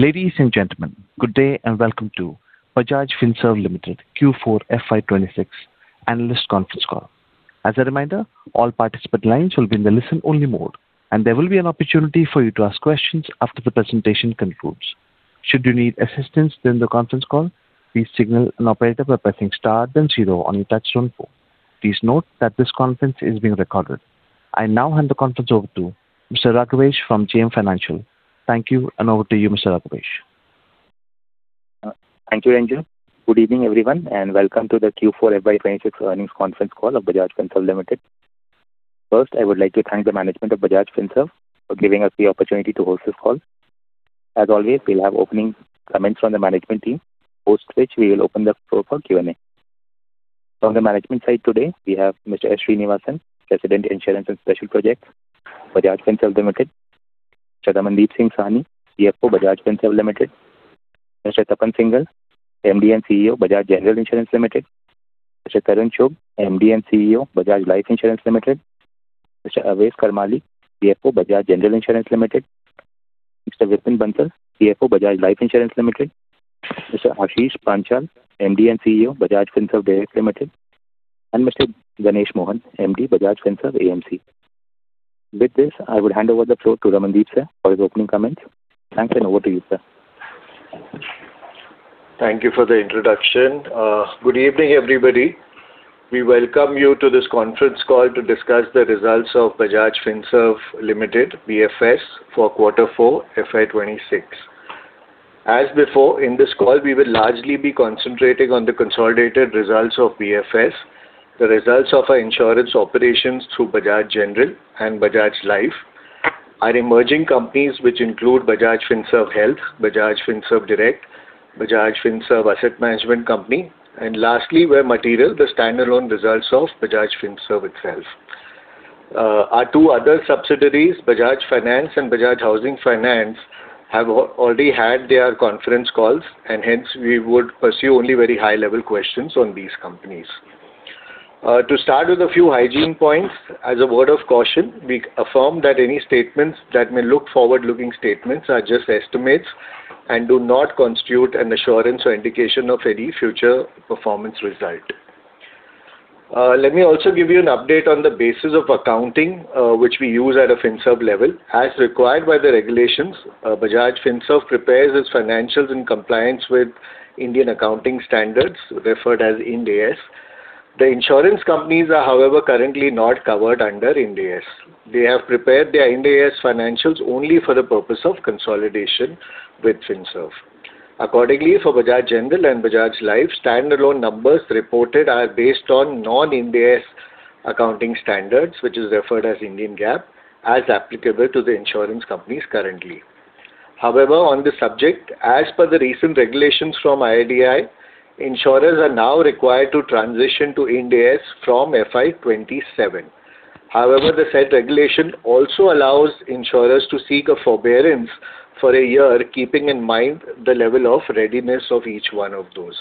Ladies and gentlemen, good day. And welcome to Bajaj Finserv Limited Q4 FY 2026 analyst conference call. As a reminder, all participant lines will be in the listen-only mode, and there will be an opportunity for you to ask questions after the presentation concludes. Should you need assistance during the conference call, please signal an operator by pressing star then zero on your touch-tone phone. Please note that this conference is being recorded. I now hand the conference over to Mr. Raghvesh from JM Financial. Thank you, and over to you, Mr. Raghvesh. Thank you, Anju. Good evening, everyone, and welcome to the Q4 FY 2026 earnings conference call of Bajaj Finserv Limited. First, I would like to thank the management of Bajaj Finserv for giving us the opportunity to host this call. As always, we'll have opening comments from the management team, post which we will open the floor for Q&A. From the management side today we have Mr. S. Sreenivasan, President, Insurance and Special Projects, Bajaj Finserv Limited; Mr. Ramandeep Singh Sahni, CFO, Bajaj Finserv Limited; Mr. Tapan Singhel, MD and CEO, Bajaj General Insurance Limited; Mr. Tarun Chugh, MD and CEO, Bajaj Life Insurance Limited; Mr. Avais Karmali, CFO, Bajaj General Insurance Limited; Mr. Vipin Bansal, CFO, Bajaj Life Insurance Limited; Mr. Ashish Panchal, MD and CEO, Bajaj Finserv Direct Limited; and Mr. Ganesh Mohan, MD, Bajaj Finserv AMC. With this, I would hand over the floor to Ramandeep, sir, for his opening comments. Thanks, and over to you, sir. Thank you for the introduction. Good evening, everybody. We welcome you to this conference call to discuss the results of Bajaj Finserv Limited, BFS, for quarter four FY 2026. As before, in this call we will largely be concentrating on the consolidated results of BFS, the results of our insurance operations through Bajaj General and Bajaj Life, our emerging companies which include Bajaj Finserv Health, Bajaj Finserv Direct, Bajaj Finserv Asset Management company, and lastly, where material, the standalone results of Bajaj Finserv itself. Our two other subsidiaries, Bajaj Finance and Bajaj Housing Finance, have already had their conference calls and hence we would pursue only very high-level questions on these companies. To start with a few hygiene points, as a word of caution, we affirm that any statements that may look forward-looking statements are just estimates and do not constitute an assurance or indication of any future performance result. Let me also give you an update on the basis of accounting, which we use at a Finserv level. As required by the regulations, Bajaj Finserv prepares its financials in compliance with Indian accounting standards referred as Ind AS. The insurance companies are, however, currently not covered under Ind AS. They have prepared their Ind AS financials only for the purpose of consolidation with Finserv. Accordingly, for Bajaj General and Bajaj Life, standalone numbers reported are based on non-Ind AS accounting standards, which is referred as Indian GAAP, as applicable to the insurance companies currently. However, on this subject, as per the recent regulations from IRDAI, insurers are now required to transition to Ind AS from FY 2027. However, the said regulation also allows insurers to seek a forbearance for a year, keeping in mind the level of readiness of each one of those.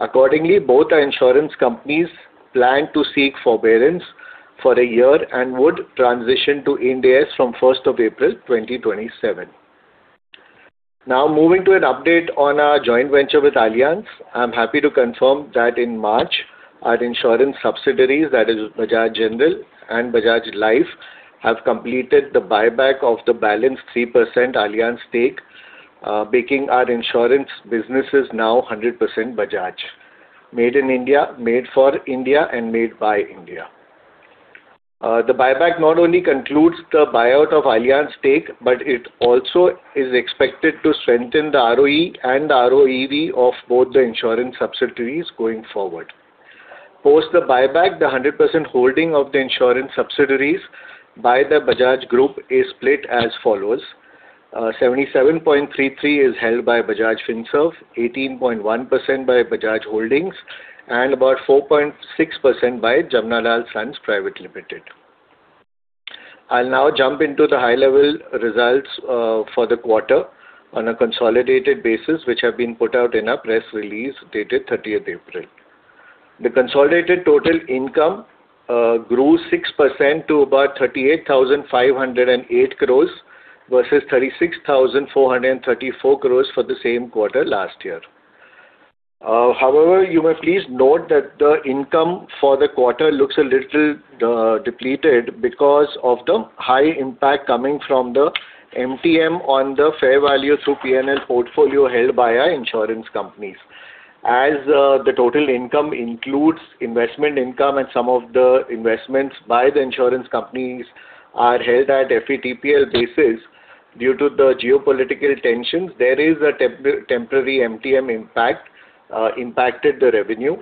Accordingly, both our insurance companies plan to seek forbearance for a year and would transition to Ind AS from April 1st, 2027. Now moving to an update on our joint venture with Allianz. I'm happy to confirm that in March our insurance subsidiaries, that is Bajaj General and Bajaj Life, have completed the buyback of the balance 3% Allianz stake, making our insurance businesses now 100% Bajaj. Made in India, made for India, and made by India. The buyback not only concludes the buyout of Allianz stake, but it also is expected to strengthen the ROE and the ROEV of both the insurance subsidiaries going forward. Post the buyback, the 100% holding of the insurance subsidiaries by the Bajaj Group is split as follows: 77.33% is held by Bajaj Finserv, 18.1% by Bajaj Holdings, and about 4.6% by Jamnalal Sons Private Limited. I'll now jump into the high-level results for the quarter on a consolidated basis, which have been put out in a press release dated April 30th. The consolidated total income grew 6% to about 38,508 crores versus 36,434 crores for the same quarter last year. However, you may please note that the income for the quarter looks a little depleted because of the high impact coming from the MTM on the fair value through P&L portfolio held by our insurance companies. As the total income includes investment income and some of the investments by the insurance companies are held at FVTPL basis due to the geopolitical tensions, there is a temporary MTM impact impacted the revenue.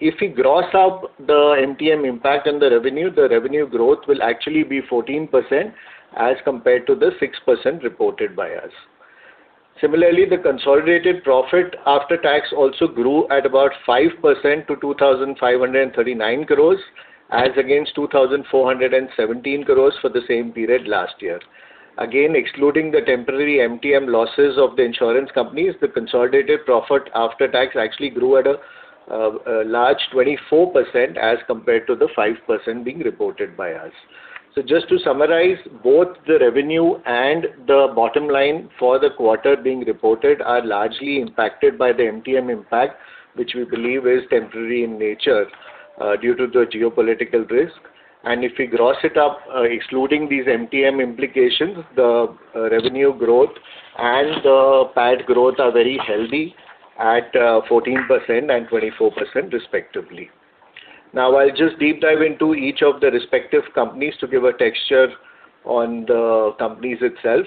If we gross up the MTM impact on the revenue, the revenue growth will actually be 14% as compared to the 6% reported by us. Similarly, the consolidated profit after tax also grew at about 5% to 2,539 crores as against 2,417 crores for the same period last year. Again, excluding the temporary MTM losses of the insurance companies, the consolidated profit after tax actually grew at a large 24% as compared to the 5% being reported by us. Just to summarize, both the revenue and the bottom line for the quarter being reported are largely impacted by the MTM impact, which we believe is temporary in nature due to the geopolitical risk. If we gross it up, excluding these MTM implications, the revenue growth and the PAT growth are very healthy at 14% and 24% respectively. I'll just deep dive into each of the respective companies to give a texture on the companies itself.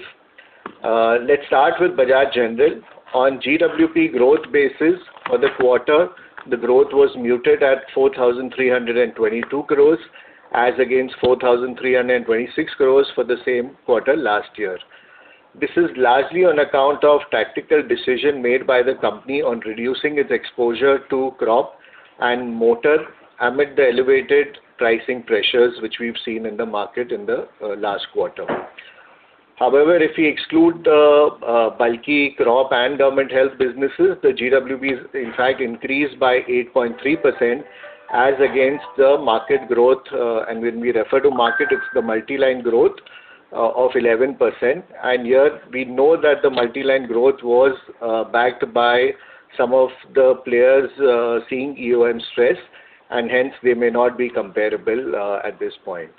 Let's start with Bajaj General. On GWP growth basis for the quarter, the growth was muted at 4,322 crores as against 4,326 crores for the same quarter last year. This is largely on account of tactical decision made by the company on reducing its exposure to crop and motor amid the elevated pricing pressures which we've seen in the market in the last quarter. However, if we exclude the bulky crop and government health businesses, the GWPs in fact increased by 8.3% as against the market growth. When we refer to market, it's the multi-line growth of 11%. Here we know that the multi-line growth was backed by some of the players seeing AUM stress, and hence they may not be comparable at this point.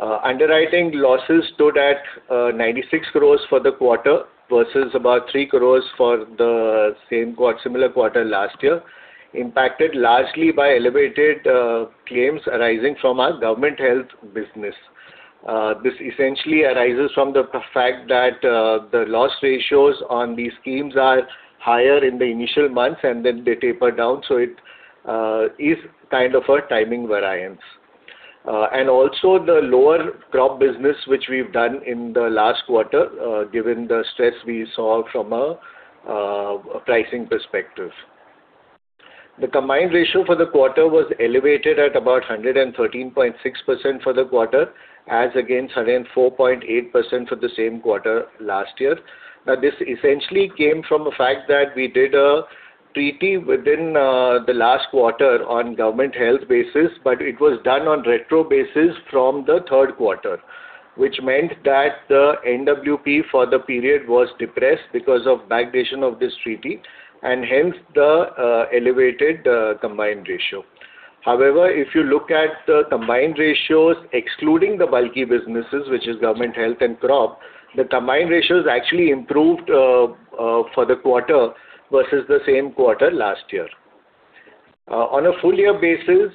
Underwriting losses stood at 96 crores for the quarter versus about 3 crores for the similar quarter last year, impacted largely by elevated claims arising from our government health business. This essentially arises from the fact that the loss ratios on these schemes are higher in the initial months and then they taper down, so it is kind of a timing variance. Also the lower crop business which we've done in the last quarter, given the stress we saw from a pricing perspective. The combined ratio for the quarter was elevated at about 113.6% for the quarter as against 104.8% for the same quarter last year. This essentially came from the fact that we did a treaty within the last quarter on government health business, but it was done on retro basis from the third quarter, which meant that the NWP for the period was depressed because of backdating of this treaty and hence the elevated combined ratio. If you look at the combined ratios excluding the bulky businesses, which is government health and crop, the combined ratios actually improved for the quarter versus the same quarter last year. On a full year basis,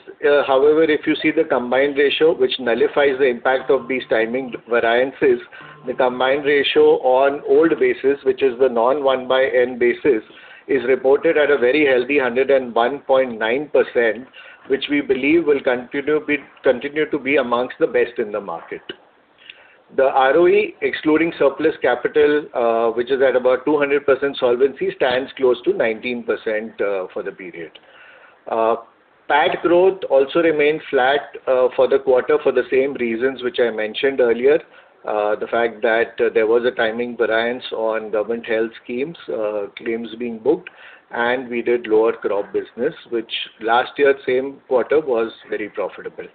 however, if you see the combined ratio, which nullifies the impact of these timing variances, the combined ratio on old basis, which is the non-1/Nth basis, is reported at a very healthy 101.9%, which we believe will continue to be amongst the best in the market. The ROE excluding surplus capital, which is at about 200% solvency, stands close to 19%, for the period. PAT growth also remained flat, for the quarter for the same reasons which I mentioned earlier, the fact that there was a timing variance on government health schemes, claims being booked, and we did lower crop business, which last year same quarter was very profitable.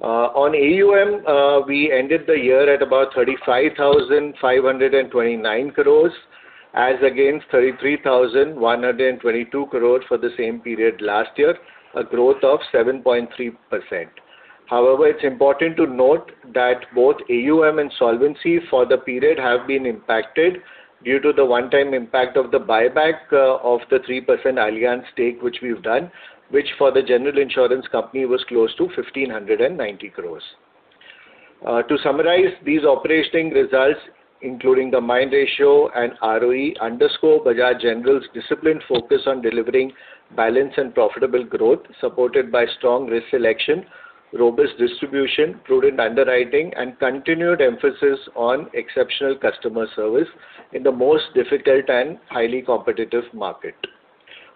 On AUM, we ended the year at about 35,529 crores, as against 33,122 crores for the same period last year, a growth of 7.3%. It's important to note that both AUM and solvency for the period have been impacted due to the one-time impact of the buyback of the 3% Allianz stake, which we've done, which for Bajaj General Insurance was close to 1,590 crores. To summarize these operating results, including the combined ratio and ROE underscore Bajaj General's disciplined focus on delivering balanced and profitable growth, supported by strong risk selection, robust distribution, prudent underwriting, and continued emphasis on exceptional customer service in the most difficult and highly competitive market.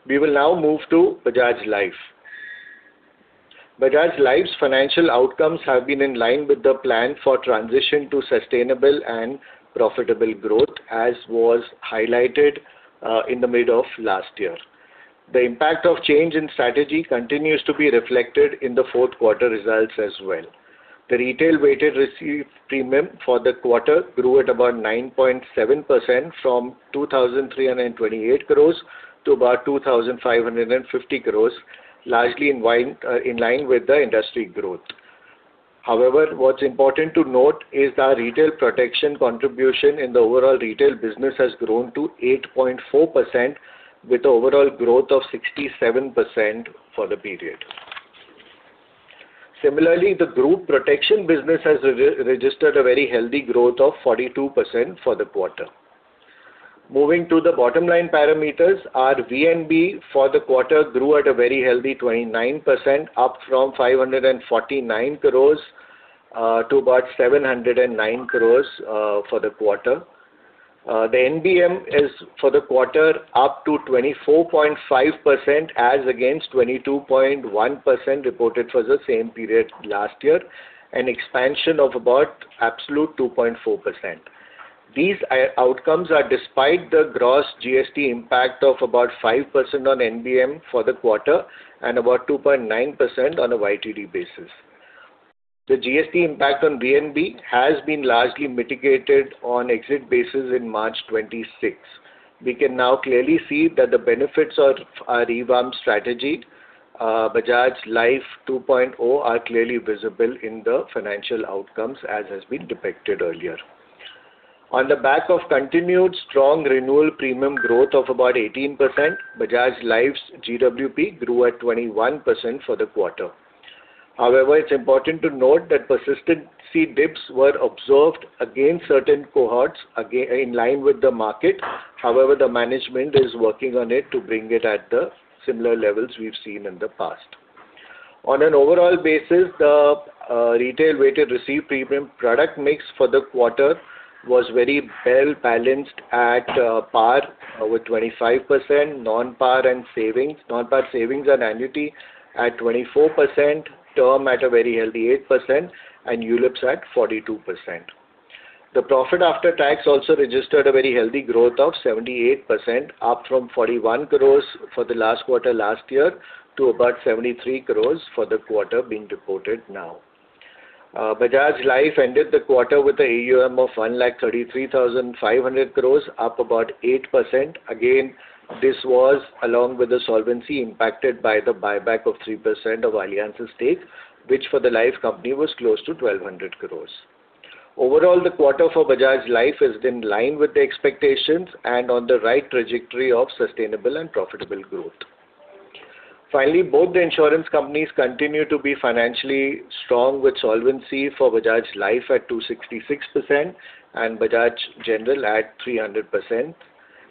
We will now move to Bajaj Life. Bajaj Life's financial outcomes have been in line with the plan for transition to sustainable and profitable growth, as was highlighted in the mid of last year. The impact of change in strategy continues to be reflected in the fourth quarter results as well. The retail weighted received premium for the quarter grew at about 9.7% from 2,328 crores to about 2,550 crores, largely in line with the industry growth. What's important to note is that retail protection contribution in the overall retail business has grown to 8.4%, with overall growth of 67% for the period. The group protection business has re-registered a very healthy growth of 42% for the quarter. Moving to the bottom line parameters, our VNB for the quarter grew at a very healthy 29%, up from 549 crores to about 709 crores for the quarter. The NBM is for the quarter up to 24.5% as against 22.1% reported for the same period last year, an expansion of about absolute 2.4%. These outcomes are despite the gross GST impact of about 5% on NBM for the quarter and about 2.9% on a YTD basis. The GST impact on VNB has been largely mitigated on exit basis in March 2026. We can now clearly see that the benefits of our revamped strategy, Bajaj Life 2.0, are clearly visible in the financial outcomes as has been depicted earlier. On the back of continued strong renewal premium growth of about 18%, Bajaj Life's GWP grew at 21% for the quarter. However, it's important to note that persistency dips were observed against certain cohorts in line with the market. However, the management is working on it to bring it at the similar levels we've seen in the past. On an overall basis, the retail-weighted received premium product mix for the quarter was very well-balanced at par with 25%, non-par and savings, non-par savings and annuity at 24%, term at a very healthy 8%, and ULIPs at 42%. The profit after tax also registered a very healthy growth of 78%, up from 41 crores for the last quarter last year to about 73 crores for the quarter being reported now. Bajaj Life ended the quarter with a AUM of 133,500 crores, up about 8%. This was along with the solvency impacted by the buyback of 3% of Allianz's stake, which for the Life company was close to 1,200 crores. The quarter for Bajaj Life is in line with the expectations and on the right trajectory of sustainable and profitable growth. Both the insurance companies continue to be financially strong, with solvency for Bajaj Life at 266% and Bajaj General at 300%,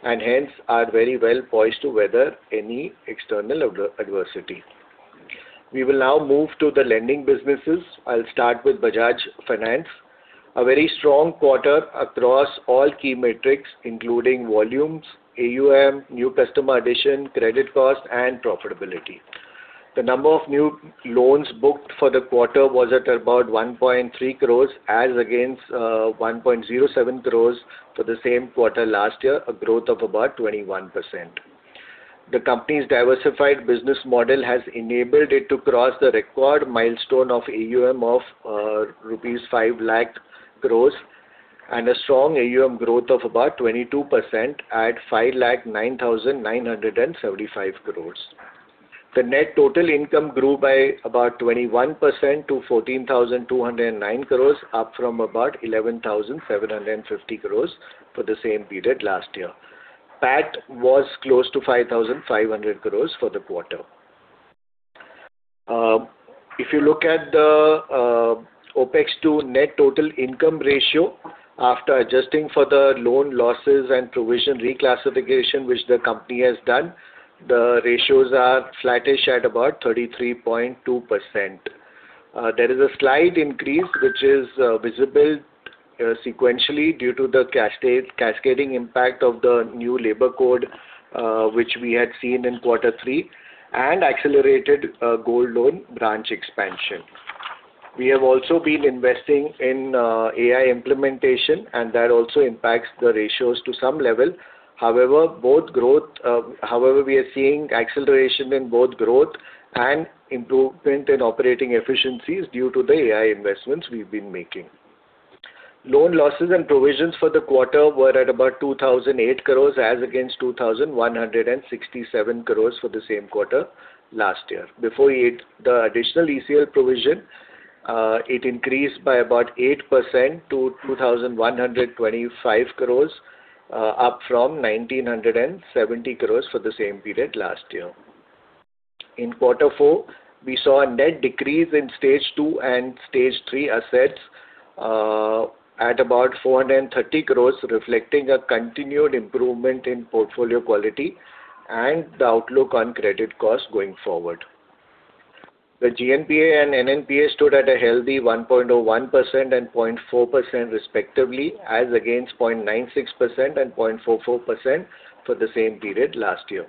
and hence are very well poised to weather any external adversity. We will now move to the lending businesses. I'll start with Bajaj Finance. A very strong quarter across all key metrics, including volumes, AUM, new customer addition, credit cost, and profitability. The number of new loans booked for the quarter was at about 1.3 crores as against 1.07 crores for the same quarter last year, a growth of about 21%. The company's diversified business model has enabled it to cross the record milestone of AUM of rupees 5 lakh crores and a strong AUM growth of about 22% at 5,09,975 crores. The net total income grew by about 21% to 14,209 crores, up from about 11,750 crores for the same period last year. PAT was close to 5,500 crores for the quarter. If you look at the OpEx to net total income ratio after adjusting for the loan losses and provision reclassification which the company has done, the ratios are flattish at about 33.2%. There is a slight increase which is visible sequentially due to the cascading impact of the new labor code which we had seen in quarter three and accelerated gold loan branch expansion. We have also been investing in AI implementation, that also impacts the ratios to some level. However, both growth. However, we are seeing acceleration in both growth and improvement in operating efficiencies due to the AI investments we've been making. Loan losses and provisions for the quarter were at about 2,008 crores, as against 2,167 crores for the same quarter last year. Before the additional ECL provision, it increased by about 8% to 2,125 crores, up from 1,970 crores for the same period last year. In quarter four, we saw a net decrease in Stage two and Stage three assets, at about 430 crores, reflecting a continued improvement in portfolio quality and the outlook on credit costs going forward. The GNPA and NNPA stood at a healthy 1.01% and 0.4% respectively, as against 0.96% and 0.44% for the same period last year.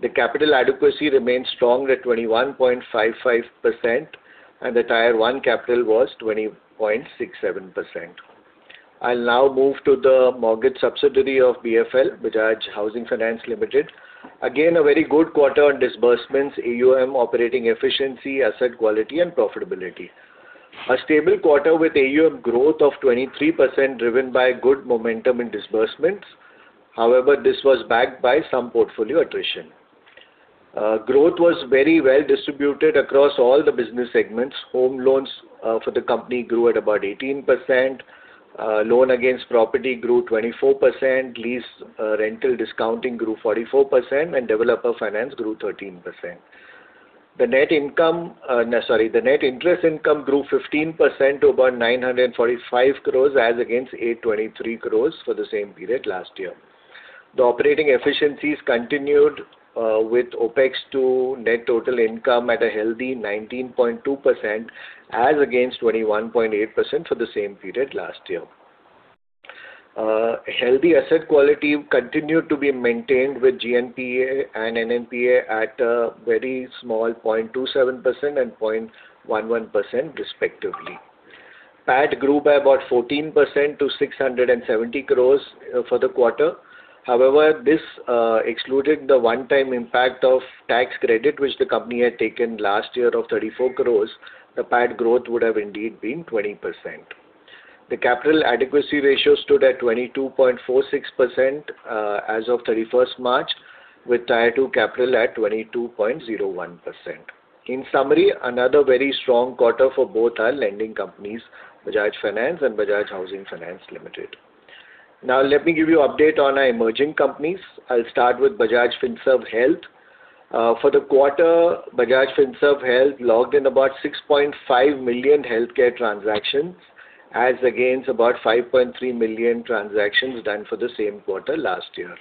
The capital adequacy remains strong at 21.55%, and the Tier 1 capital was 20.67%. I'll now move to the mortgage subsidiary of BFL, Bajaj Housing Finance Limited. Again, a very good quarter on disbursements, AUM, operating efficiency, asset quality and profitability. A stable quarter with AUM growth of 23%, driven by good momentum in disbursements. This was backed by some portfolio attrition. Growth was very well distributed across all the business segments. Home loans for the company grew at about 18%, loan against property grew 24%, lease rental discounting grew 44%, and developer finance grew 13%. The net income, the net interest income grew 15% to about 945 crore, as against 823 crore for the same period last year. The operating efficiencies continued with OpEx to net total income at a healthy 19.2%, as against 21.8% for the same period last year. Healthy asset quality continued to be maintained with GNPA and NNPA at a very small 0.27% and 0.11% respectively. PAT grew by about 14% to 670 crores for the quarter. However, this excluded the one-time impact of tax credit, which the company had taken last year of 34 crores. The PAT growth would have indeed been 20%. The capital adequacy ratio stood at 22.46% as of March 31st, with Tier 2 capital at 22.01%. In summary, another very strong quarter for both our lending companies, Bajaj Finance and Bajaj Housing Finance Limited. Now let me give you update on our emerging companies. I'll start with Bajaj Finserv Health. For the quarter, Bajaj Finserv Health logged in about 6.5 million healthcare transactions as against about 5.3 million transactions done for the same quarter last year.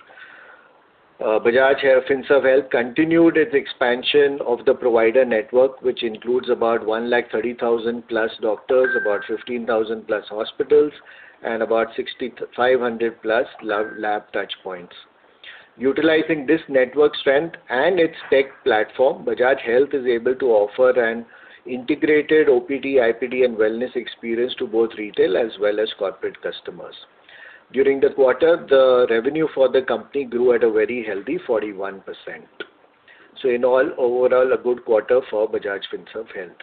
Bajaj Finserv Health continued its expansion of the provider network, which includes about 1.3 lakh+ doctors, about 15,000+ hospitals and about 6,500+ lab touchpoints. Utilizing this network strength and its tech platform, Bajaj Health is able to offer an integrated OPD, IPD and wellness experience to both retail as well as corporate customers. During the quarter, the revenue for the company grew at a very healthy 41%. In all, overall, a good quarter for Bajaj Finserv Health.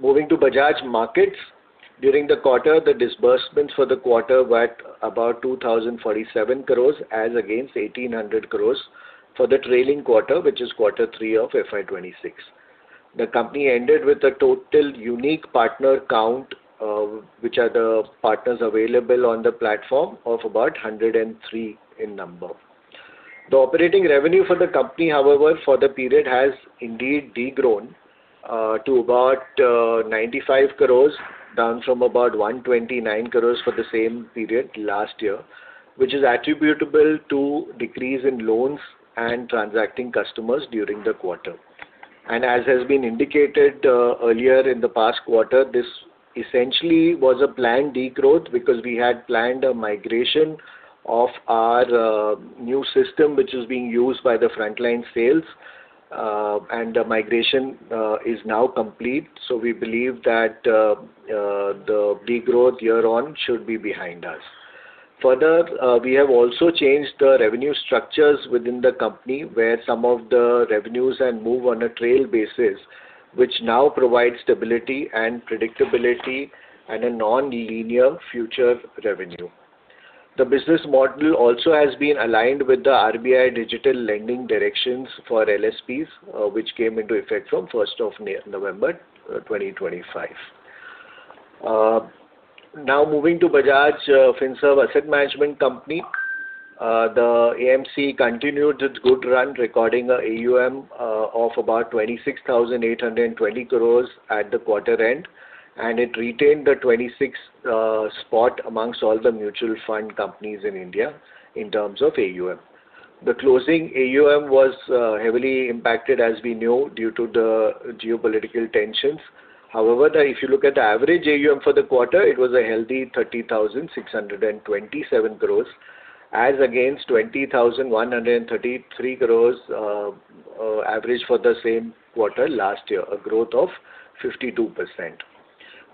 Moving to Bajaj Markets, during the quarter, the disbursements for the quarter were at about 2,047 crores as against 1,800 crores for the trailing quarter, which is quarter three of FY 2026. The company ended with a total unique partner count, which are the partners available on the platform of about 103 in number. The operating revenue for the company, however, for the period, has indeed degrown to about 95 crores, down from about 129 crores for the same period last year, which is attributable to decrease in loans and transacting customers during the quarter. As has been indicated earlier in the past quarter, this essentially was a planned degrowth because we had planned a migration of our new system, which is being used by the frontline sales, and the migration is now complete. We believe that the degrowth year-on should be behind us. Further, we have also changed the revenue structures within the company, where some of the revenues and move on a trail basis, which now provides stability and predictability and a nonlinear future revenue. The business model also has been aligned with the RBI digital lending directions for LSPs, which came into effect from November 1st, 2025. Now moving to Bajaj Finserv Asset Management Company. The AMC continued its good run, recording a AUM of about 26,820 crore at the quarter end, and it retained the 26th spot amongst all the mutual fund companies in India in terms of AUM. The closing AUM was heavily impacted as we knew due to the geopolitical tensions. However, if you look at the average AUM for the quarter, it was a healthy 30,627 crores as against 20,133 crores average for the same quarter last year, a growth of 52%.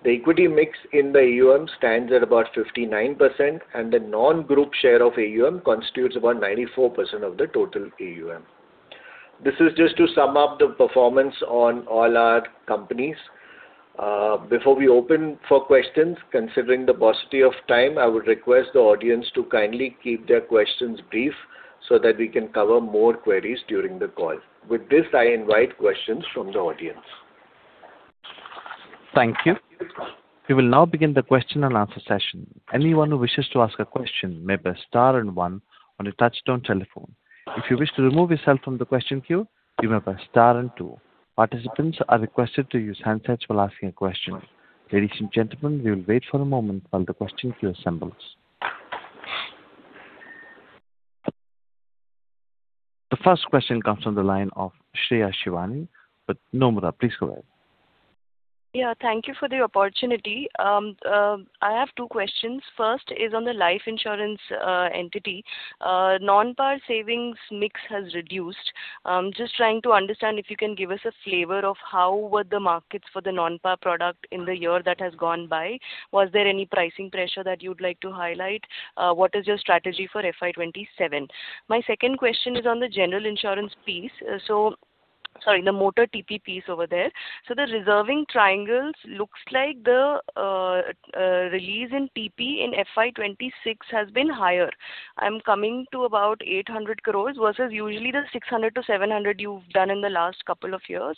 The equity mix in the AUM stands at about 59%, and the non-group share of AUM constitutes about 94% of the total AUM. This is just to sum up the performance on all our companies. Before we open for questions, considering the paucity of time, I would request the audience to kindly keep their questions brief so that we can cover more queries during the call. With this, I invite questions from the audience. Thank you. We will now begin the question-and-answer session. Anyone who wishes to ask a question, you may press star one on your touch-tone telephone. If you wish to remove yourself from the question queue, you may press star and two. Participants are required to use for asking questions. The first question comes from the line of Shreya Shivani with Nomura. Please go ahead. Yeah, thank you for the opportunity. I have two questions. First is on the life insurance entity. Non-par savings mix has reduced. Just trying to understand if you can give us a flavor of how were the markets for the non-par product in the year that has gone by. Was there any pricing pressure that you'd like to highlight? What is your strategy for FY 2027? My second question is on the general insurance piece. Sorry, the motor TP piece over there. The reserving triangles looks like the release in TP in FY 2026 has been higher. I'm coming to about 800 crores versus usually the 600 crores-700 crores you've done in the last couple of years.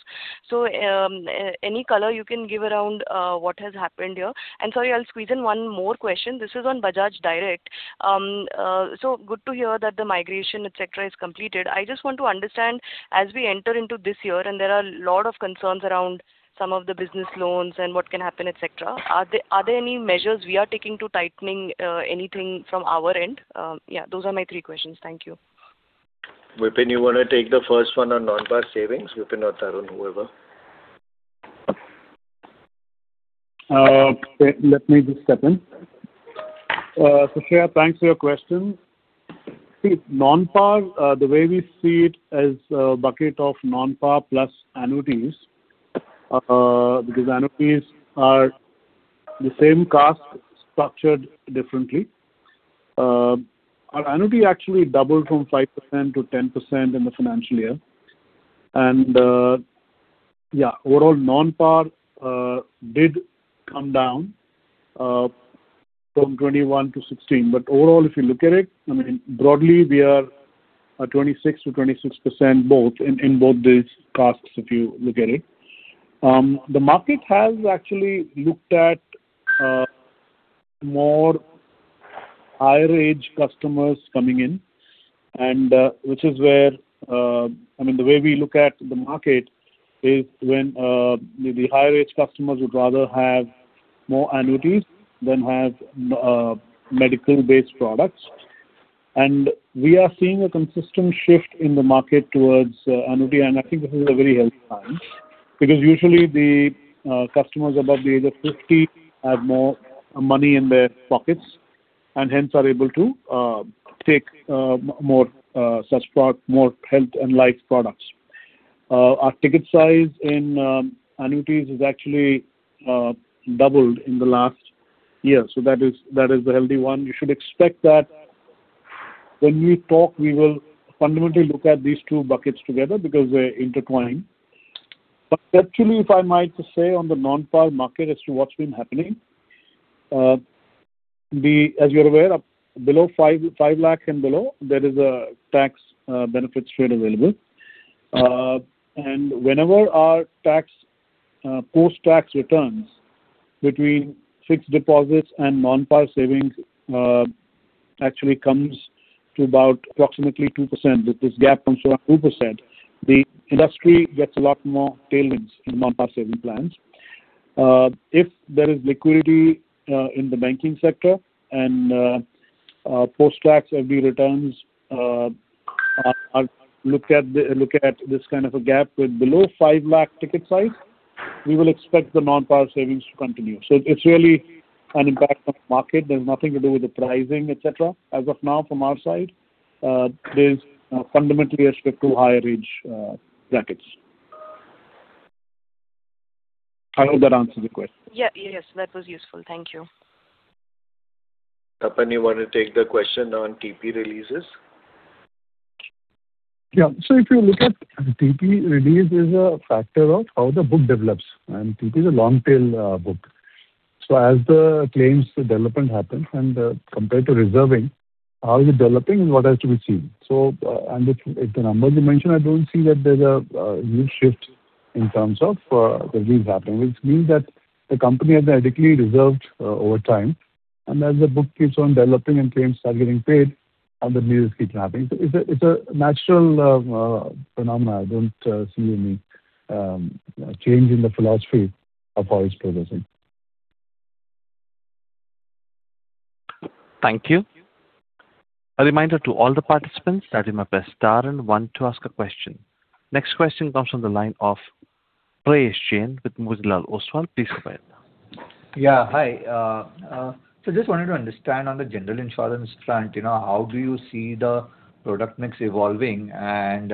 Any color you can give around what has happened here. Sorry, I'll squeeze in one more question. This is on Bajaj Direct. Good to hear that the migration, et cetera, is completed. I just want to understand, as we enter into this year and there are a lot of concerns around some of the business loans and what can happen, et cetera, are there any measures we are taking to tightening anything from our end? Those are my three questions. Thank you. Vipin, you wanna take the first one on non-par savings? Vipin or Tarun, whoever. Let me just step in. Shreya Shivani, thanks for your question. See, non-par, the way we see it is a bucket of non-par plus annuities, because annuities are the same cast structured differently. Our annuity actually doubled from 5%-10% in the financial year and, yeah, overall non-par did come down from 21 to 16. Overall, if you look at it, I mean, broadly we are at 26%-26% both, in both these casts if you look at it. The market has actually looked at more higher age customers coming in and which is where, I mean the way we look at the market is when maybe higher age customers would rather have more annuities than have medical-based products. We are seeing a consistent shift in the market towards annuity and I think this is a very healthy sign because usually the customers above the age of 50 have more money in their pockets and hence are able to take more such more health and life products. Our ticket size in annuities has actually doubled in the last year, so that is the healthy one. You should expect that when we talk we will fundamentally look at these two buckets together because they're intertwined. Actually if I might just say on the non-par market as to what's been happening, as you're aware, up below 5 lakh and below there is a tax benefit trade available. Whenever our tax, post-tax returns between fixed deposits and non-par savings actually comes to about approximately 2%, that this gap comes to around 2%, the industry gets a lot more tailwinds in non-par saving plans. If there is liquidity in the banking sector and post-tax FD returns look at this kind of a gap with below 5 lakh ticket size, we will expect the non-par savings to continue. It's really an impact on the market. There's nothing to do with the pricing, et cetera. As of now from our side, there's fundamentally a shift to higher age brackets. I hope that answers the question. Yeah. Yes, that was useful. Thank you. Tapan, you want to take the question on TP releases? Yeah. If you look at TP release is a factor of how the book develops and TP is a long tail book. As the claims development happens and compared to reserving, how is it developing and what has to be seen. And if the numbers you mentioned, I don't see that there's a huge shift in terms of the release happening, which means that the company has adequately reserved over time. As the book keeps on developing and claims are getting paid and the releases keep happening. It's a natural phenomena. I don't see any change in the philosophy of how it's progressing. Thank you. A reminder to all the participants that in my best star and one to ask a question. Next question comes from the line of Prayesh Jain with Motilal Oswal. Please go ahead. Hi. Just wanted to understand on the general insurance front, you know, how do you see the product mix evolving and,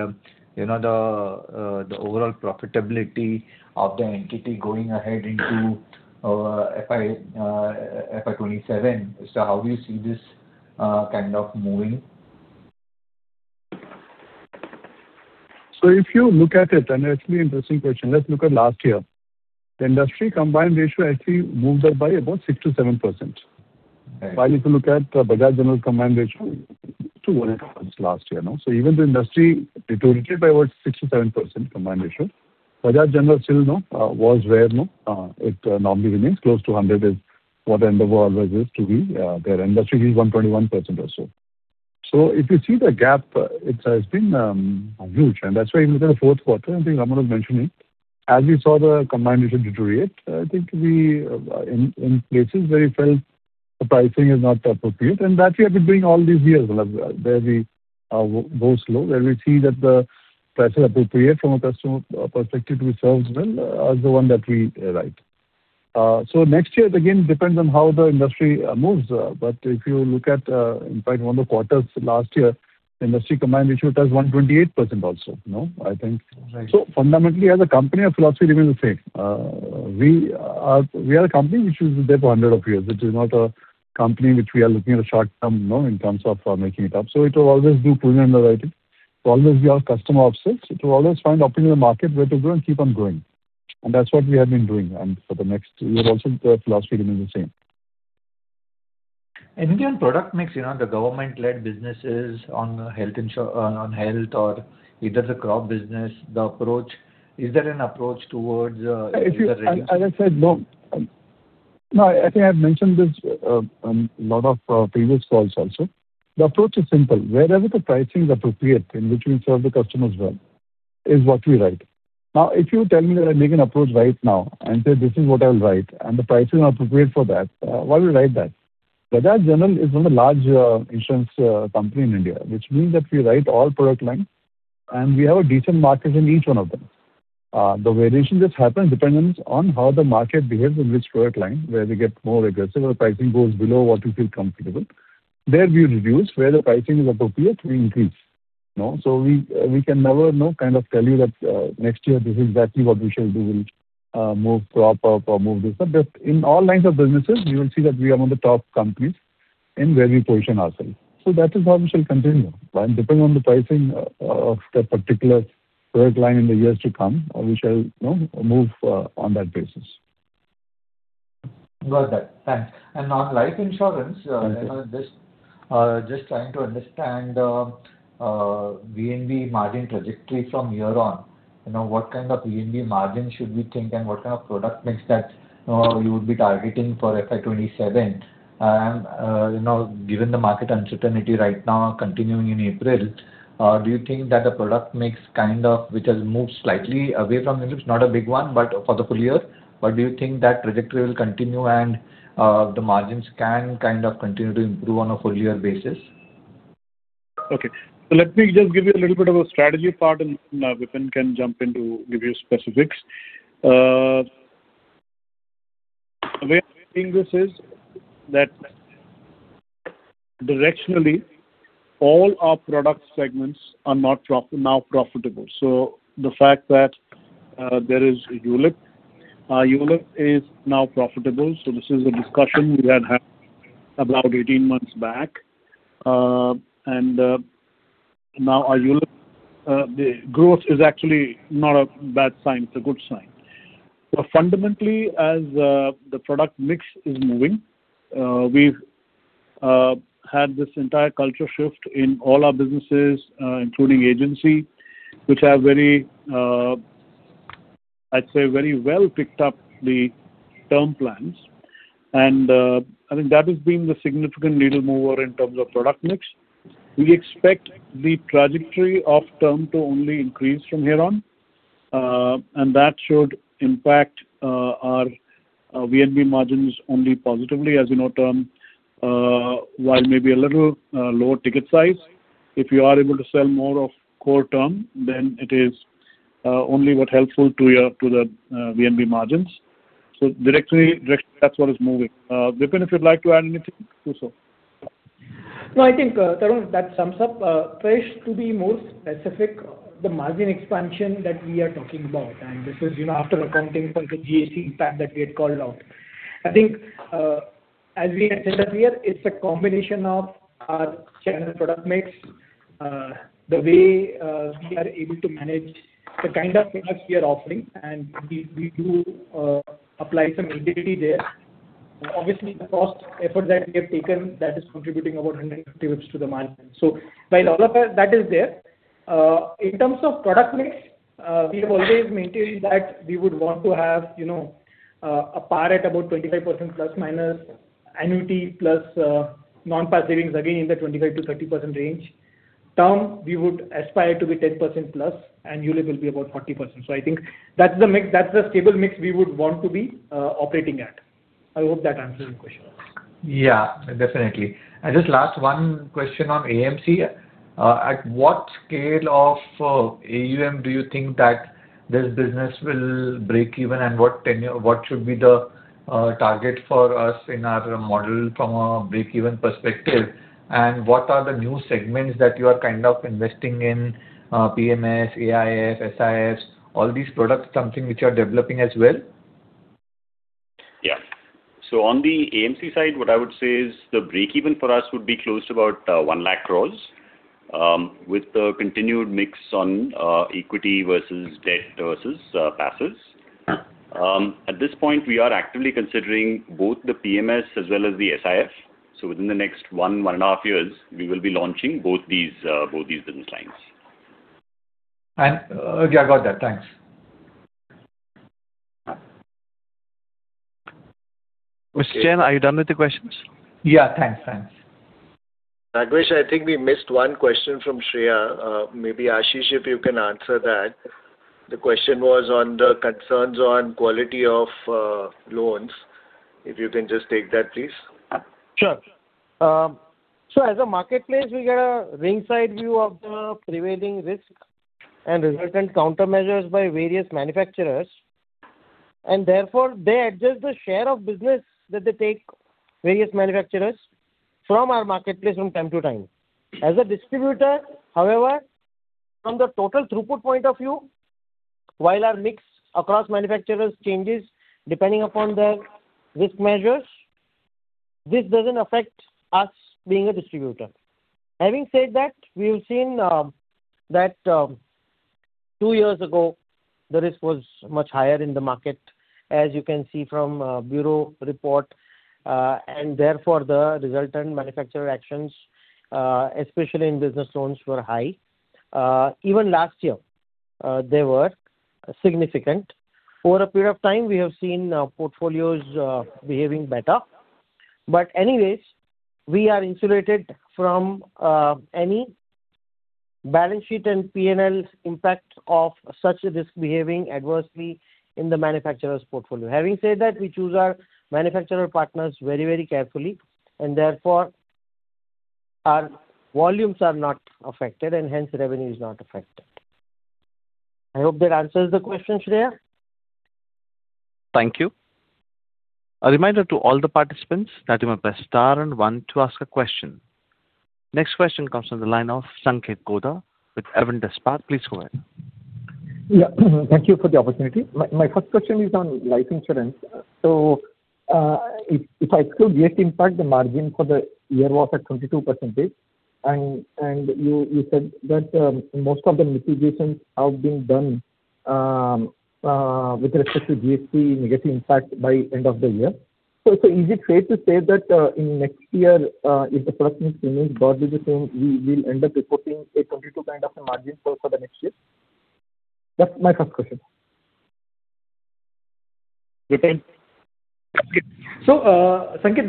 you know, the overall profitability of the entity going ahead into FY 2027? How do you see this kind of moving? If you look at it, and it's an interesting question, let's look at last year. The industry combined ratio actually moved up by about 6%-7%. Right. If you look at Bajaj General combined ratio, it's 200% last year, no. Even the industry deteriorated by about 6%-7% combined ratio. Bajaj General still, you know, was where, you know, it normally remains close to 100% is what the endeavor always is to be. Their industry is 121% or so. If you see the gap, it has been huge, and that's why even in the fourth quarter, I think Raman was mentioning, as we saw the combined ratio deteriorate, I think we in places where we felt the pricing is not appropriate and that we have been doing all these years where we go slow, where we see that the price is appropriate from a customer perspective to serve as well as the one that we write. Next year it again depends on how the industry moves. If you look at, in fact one of the quarters last year, the industry combined ratio was 128% also, you know. Right. Fundamentally, as a company, our philosophy remains the same. We are a company which is there for 100 years. It is not a company which we are looking at a short term, you know, in terms of making it up. It will always do prudent underwriting. It will always be our customer offsets. It will always find opportunity in the market where to grow and keep on growing. That's what we have been doing and for the next year also the philosophy remains the same. Even product mix, you know, the government-led businesses on health or it does a crop business, Is there an approach towards any regulation? As I said, no, I think I've mentioned this, lot of previous calls also. The approach is simple. Wherever the pricing is appropriate in which we serve the customers well is what we write. If you tell me that I make an approach right now and say this is what I'll write and the pricing appropriate for that, why we write that? Bajaj General is one of the large insurance company in India, which means that we write all product lines and we have a decent market in each one of them. The variation just happens dependent on how the market behaves in which product line, where we get more aggressive or pricing goes below what we feel comfortable. There we reduce. Where the pricing is appropriate, we increase. No. We can never, you know, kind of tell you that next year this is exactly what we shall do, we'll move prop up or move this. Just in all lines of businesses, you will see that we are among the top companies in where we position ourselves. That is how we shall continue. Right. Depending on the pricing of the particular product line in the years to come, we shall, you know, move on that basis. Got that. Thanks. On life insurance. Mm-hmm. You know, just trying to understand VNB margin trajectory from here on. You know, what kind of VNB margin should we think and what kind of product mix that you would be targeting for FY 2027? You know, given the market uncertainty right now continuing in April, do you think that the product mix kind of, which has moved slightly away from the ULIP, not a big one, but for the full year, but do you think that trajectory will continue and the margins can kind of continue to improve on a full year basis? Okay. Let me just give you a little bit of a strategy part and Vipin can jump in to give you specifics. Where thing this is that directionally all our product segments are now profitable. The fact that there is ULIP. ULIP is now profitable, this is a discussion we had had about 18 months back. Now our ULIP the growth is actually not a bad sign, it's a good sign. Fundamentally, as the product mix is moving, we've had this entire culture shift in all our businesses, including agency, which have very, I'd say very well picked up the term plans. I think that has been the significant needle mover in terms of product mix. We expect the trajectory of term to only increase from here on, that should impact our VNB margins only positively. As you know, term, while maybe a little lower ticket size, if you are able to sell more of core term then it is only what helpful to the VNB margins. Directionally, that's what is moving. Vipin, if you'd like to add anything, do so. No, I think, Tarun, that sums up. Prayesh, to be more specific, the margin expansion that we are talking about, and this is, you know, after accounting for the GAC impact that we had called out. I think, as we had said earlier, it's a combination of our channel product mix, the way we are able to manage the kind of products we are offering and we do apply some agility there. Obviously, the cost effort that we have taken that is contributing about 150 basis points to the margin. While all of that is there, in terms of product mix, we have always maintained that we would want to have, you know, a par at about 25% plus minus, annuity plus, non-par savings again in the 25%-30% range. Term we would aspire to be 10%+, ULIP will be about 40%. I think that's the mix, that's the stable mix we would want to be operating at. I hope that answers your question. Yeah, definitely. Just last one question on AMC. At what scale of AUM do you think that this business will break even? What should be the target for us in our model from a break-even perspective? What are the new segments that you are kind of investing in, PMS, AIF, SIF, all these products something which you are developing as well? Yeah. On the AMC side, what I would say is the break even for us would be close to about, 1 lakh crores, with the continued mix on, equity versus debt versus, passive. At this point, we are actively considering both the PMS as well as the SIF. Within the next 1.5 years, we will be launching both these business lines. Yeah, I got that. Thanks. Mr. Jain, are you done with the questions? Yeah. Thanks. Thanks. Raghvesh, I think we missed one question from Shreya. Maybe Ashish, if you can answer that. The question was on the concerns on quality of loans. If you can just take that, please. Sure. As a marketplace, we get a ringside view of the prevailing risk and resultant countermeasures by various manufacturers, and therefore they adjust the share of business that they take various manufacturers from our marketplace from time to time. As a distributor, however, from the total throughput point of view, while our mix across manufacturers changes depending upon their risk measures, this doesn't affect us being a distributor. Having said that, we have seen that two years ago the risk was much higher in the market, as you can see from bureau report. Therefore the resultant manufacturer actions, especially in business loans were high. Even last year, they were significant. For a period of time, we have seen portfolios behaving better. Anyways, we are insulated from any balance sheet and P&L impact of such a risk behaving adversely in the manufacturer's portfolio. Having said that, we choose our manufacturer partners very, very carefully. Our volumes are not affected and hence revenue is not affected. I hope that answers the question, Shreya. Thank you. A reminder to all the participants that you may press star and one to ask a question. Next question comes from the line of Sanketh Godha with Avendus Spark. Please go ahead. Yeah. Thank you for the opportunity. My first question is on life insurance. If I exclude GST impact, the margin for the year was at 22% and you said that most of the mitigations have been done with respect to GST negative impact by end of the year. Is it fair to say that in next year, if the product mix remains broadly the same, we'll end up reporting a 22 kind of a margin for the next year? That's my first question. Vipin?. Sanketh,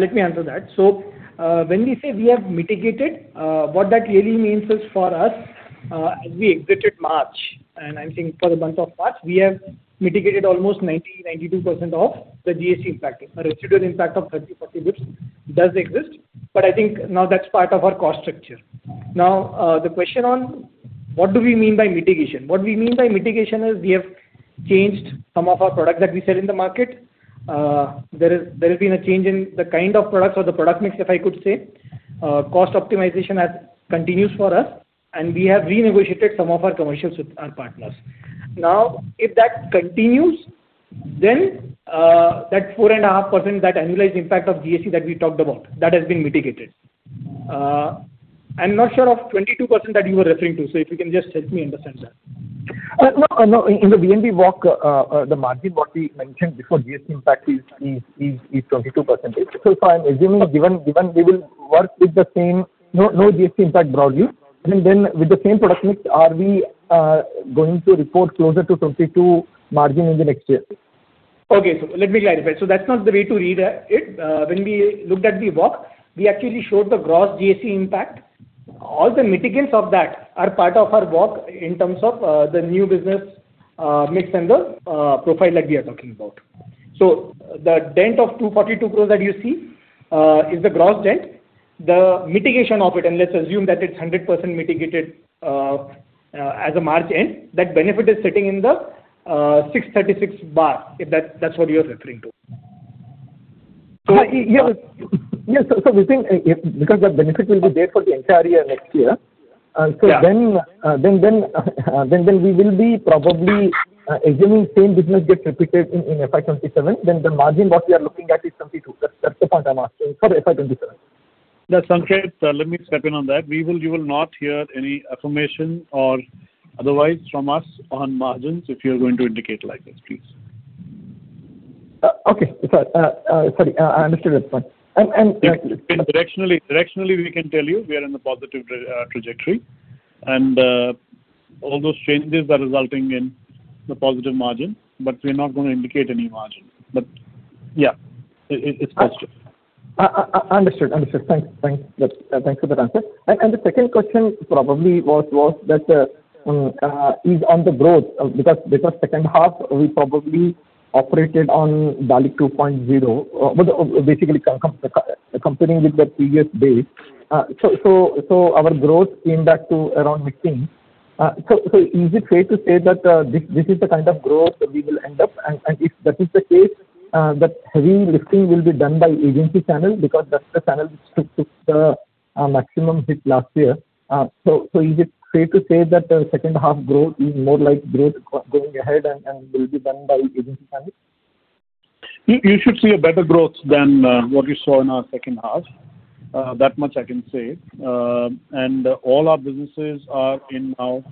let me answer that. When we say we have mitigated, what that really means is for us, as we exited March, and I'm saying for the month of March, we have mitigated almost 90%, 92% of the GST impact. A residual impact of 30, 40 basis does exist, I think now that's part of our cost structure. The question on what do we mean by mitigation? What we mean by mitigation is we have changed some of our product that we sell in the market. There has been a change in the kind of products or the product mix, if I could say. Cost optimization has continues for us, we have renegotiated some of our commercials with our partners. If that continues, then that 4.5%, that annualized impact of GST that we talked about, that has been mitigated. I'm not sure of 22% that you were referring to. If you can just help me understand that. No, in the VNB walk, the margin what we mentioned before GST impact is 22%. If I'm assuming given we will work with the same no GST impact broadly, I mean, then with the same product mix, are we going to report closer to 22% margin in the next year? Okay. Let me clarify. That's not the way to read it. When we looked at the walk, we actually showed the gross GST impact. All the mitigants of that are part of our walk in terms of the new business mix and the profile that we are talking about. The dent of 242 crores that you see is the gross dent. The mitigation of it, and let's assume that it's 100% mitigated as of March end, that benefit is sitting in the 636 bar, if that's what you're referring to. Yeah. Yes, we think because the benefit will be there for the entire year next year. Yeah... then we will be probably assuming same business gets repeated in FY 2027, then the margin what we are looking at is 22%. That's the point I'm asking for FY 2027. Yeah, Sanketh, let me step in on that. You will not hear any affirmation or otherwise from us on margins if you're going to indicate like this, please. Okay. Sorry. I misunderstood. Directionally, directionally we can tell you we are in a positive trajectory and all those changes are resulting in the positive margin, we're not gonna indicate any margin. Yeah, it's positive. Understood. Understood. Thanks. Thanks. Thanks for the answer. The second question probably was that is on the growth because second half we probably operated on BALIC 2.0, but basically comparing with the previous base. Our growth came back to around mid-teen. Is it fair to say that this is the kind of growth that we will end up? If that is the case, that heavy lifting will be done by agency channel because that's the channel which took the maximum hit last year. Is it fair to say that the second half growth is more like growth going ahead and will be done by agency channel? You should see a better growth than what you saw in our second half. That much I can say. All our businesses are in now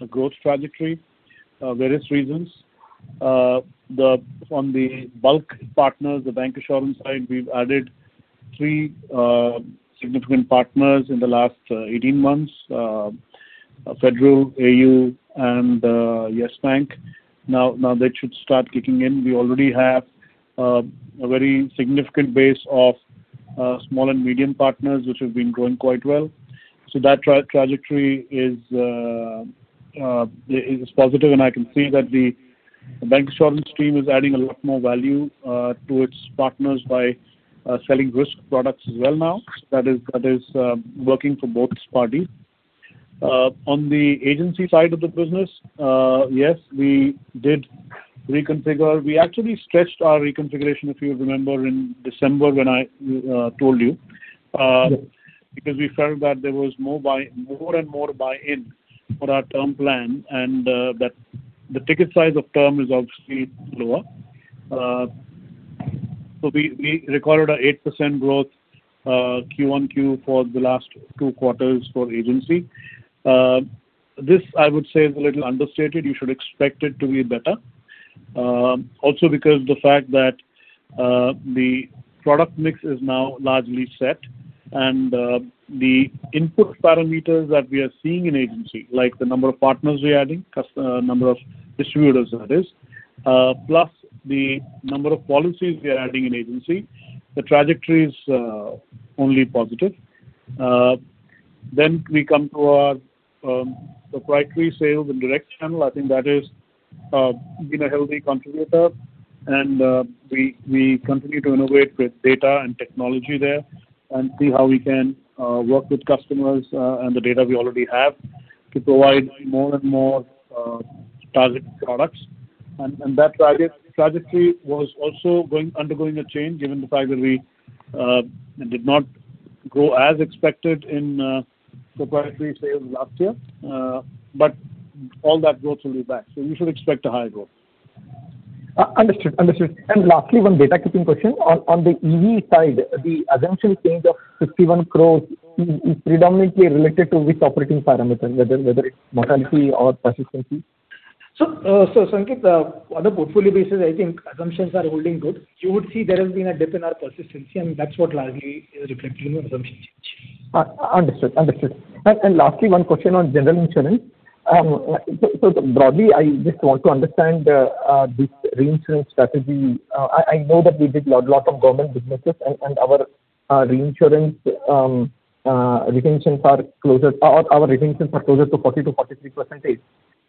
a growth trajectory, various reasons. On the bulk partners, the bank insurance side, we've added three significant partners in the last 18 months, Federal, AU and Yes Bank. Now they should start kicking in. We already have a very significant base of small and medium partners which have been growing quite well. That trajectory is positive and I can see that the bank insurance team is adding a lot more value to its partners by selling risk products as well now. That is working for both party. On the agency side of the business, yes, we did reconfigure. We actually stretched our reconfiguration, if you remember in December when I told you. Because we felt that there was more and more buy-in for our term plan and that the ticket size of term is obviously lower. We recorded a 8% growth Q-on-Q for the last two quarters for agency. This I would say is a little understated. You should expect it to be better. Also because the fact that the product mix is now largely set and the input parameters that we are seeing in agency, like the number of partners we are adding, number of distributors that is, plus the number of policies we are adding in agency, the trajectory is only positive. We come to our proprietary sales and direct channel. I think that is been a healthy contributor and we continue to innovate with data and technology there and see how we can work with customers and the data we already have to provide more and more target products. That target trajectory was also undergoing a change given the fact that we did not grow as expected in proprietary sales last year. But all that growth will be back. You should expect a high growth. understood. Lastly, one data keeping question. On the EV side, the assumption change of 51 crores is predominantly related to which operating parameter, whether it's mortality or persistency? Sanketh, on the portfolio basis, I think assumptions are holding good. You would see there has been a dip in our persistency, and that's what largely is reflecting in assumption change. Understood, understood. Lastly, 1 question on general insurance. Broadly, I just want to understand this reinsurance strategy. I know that we did lot of government businesses and our reinsurance retentions are closer. Our retentions are closer to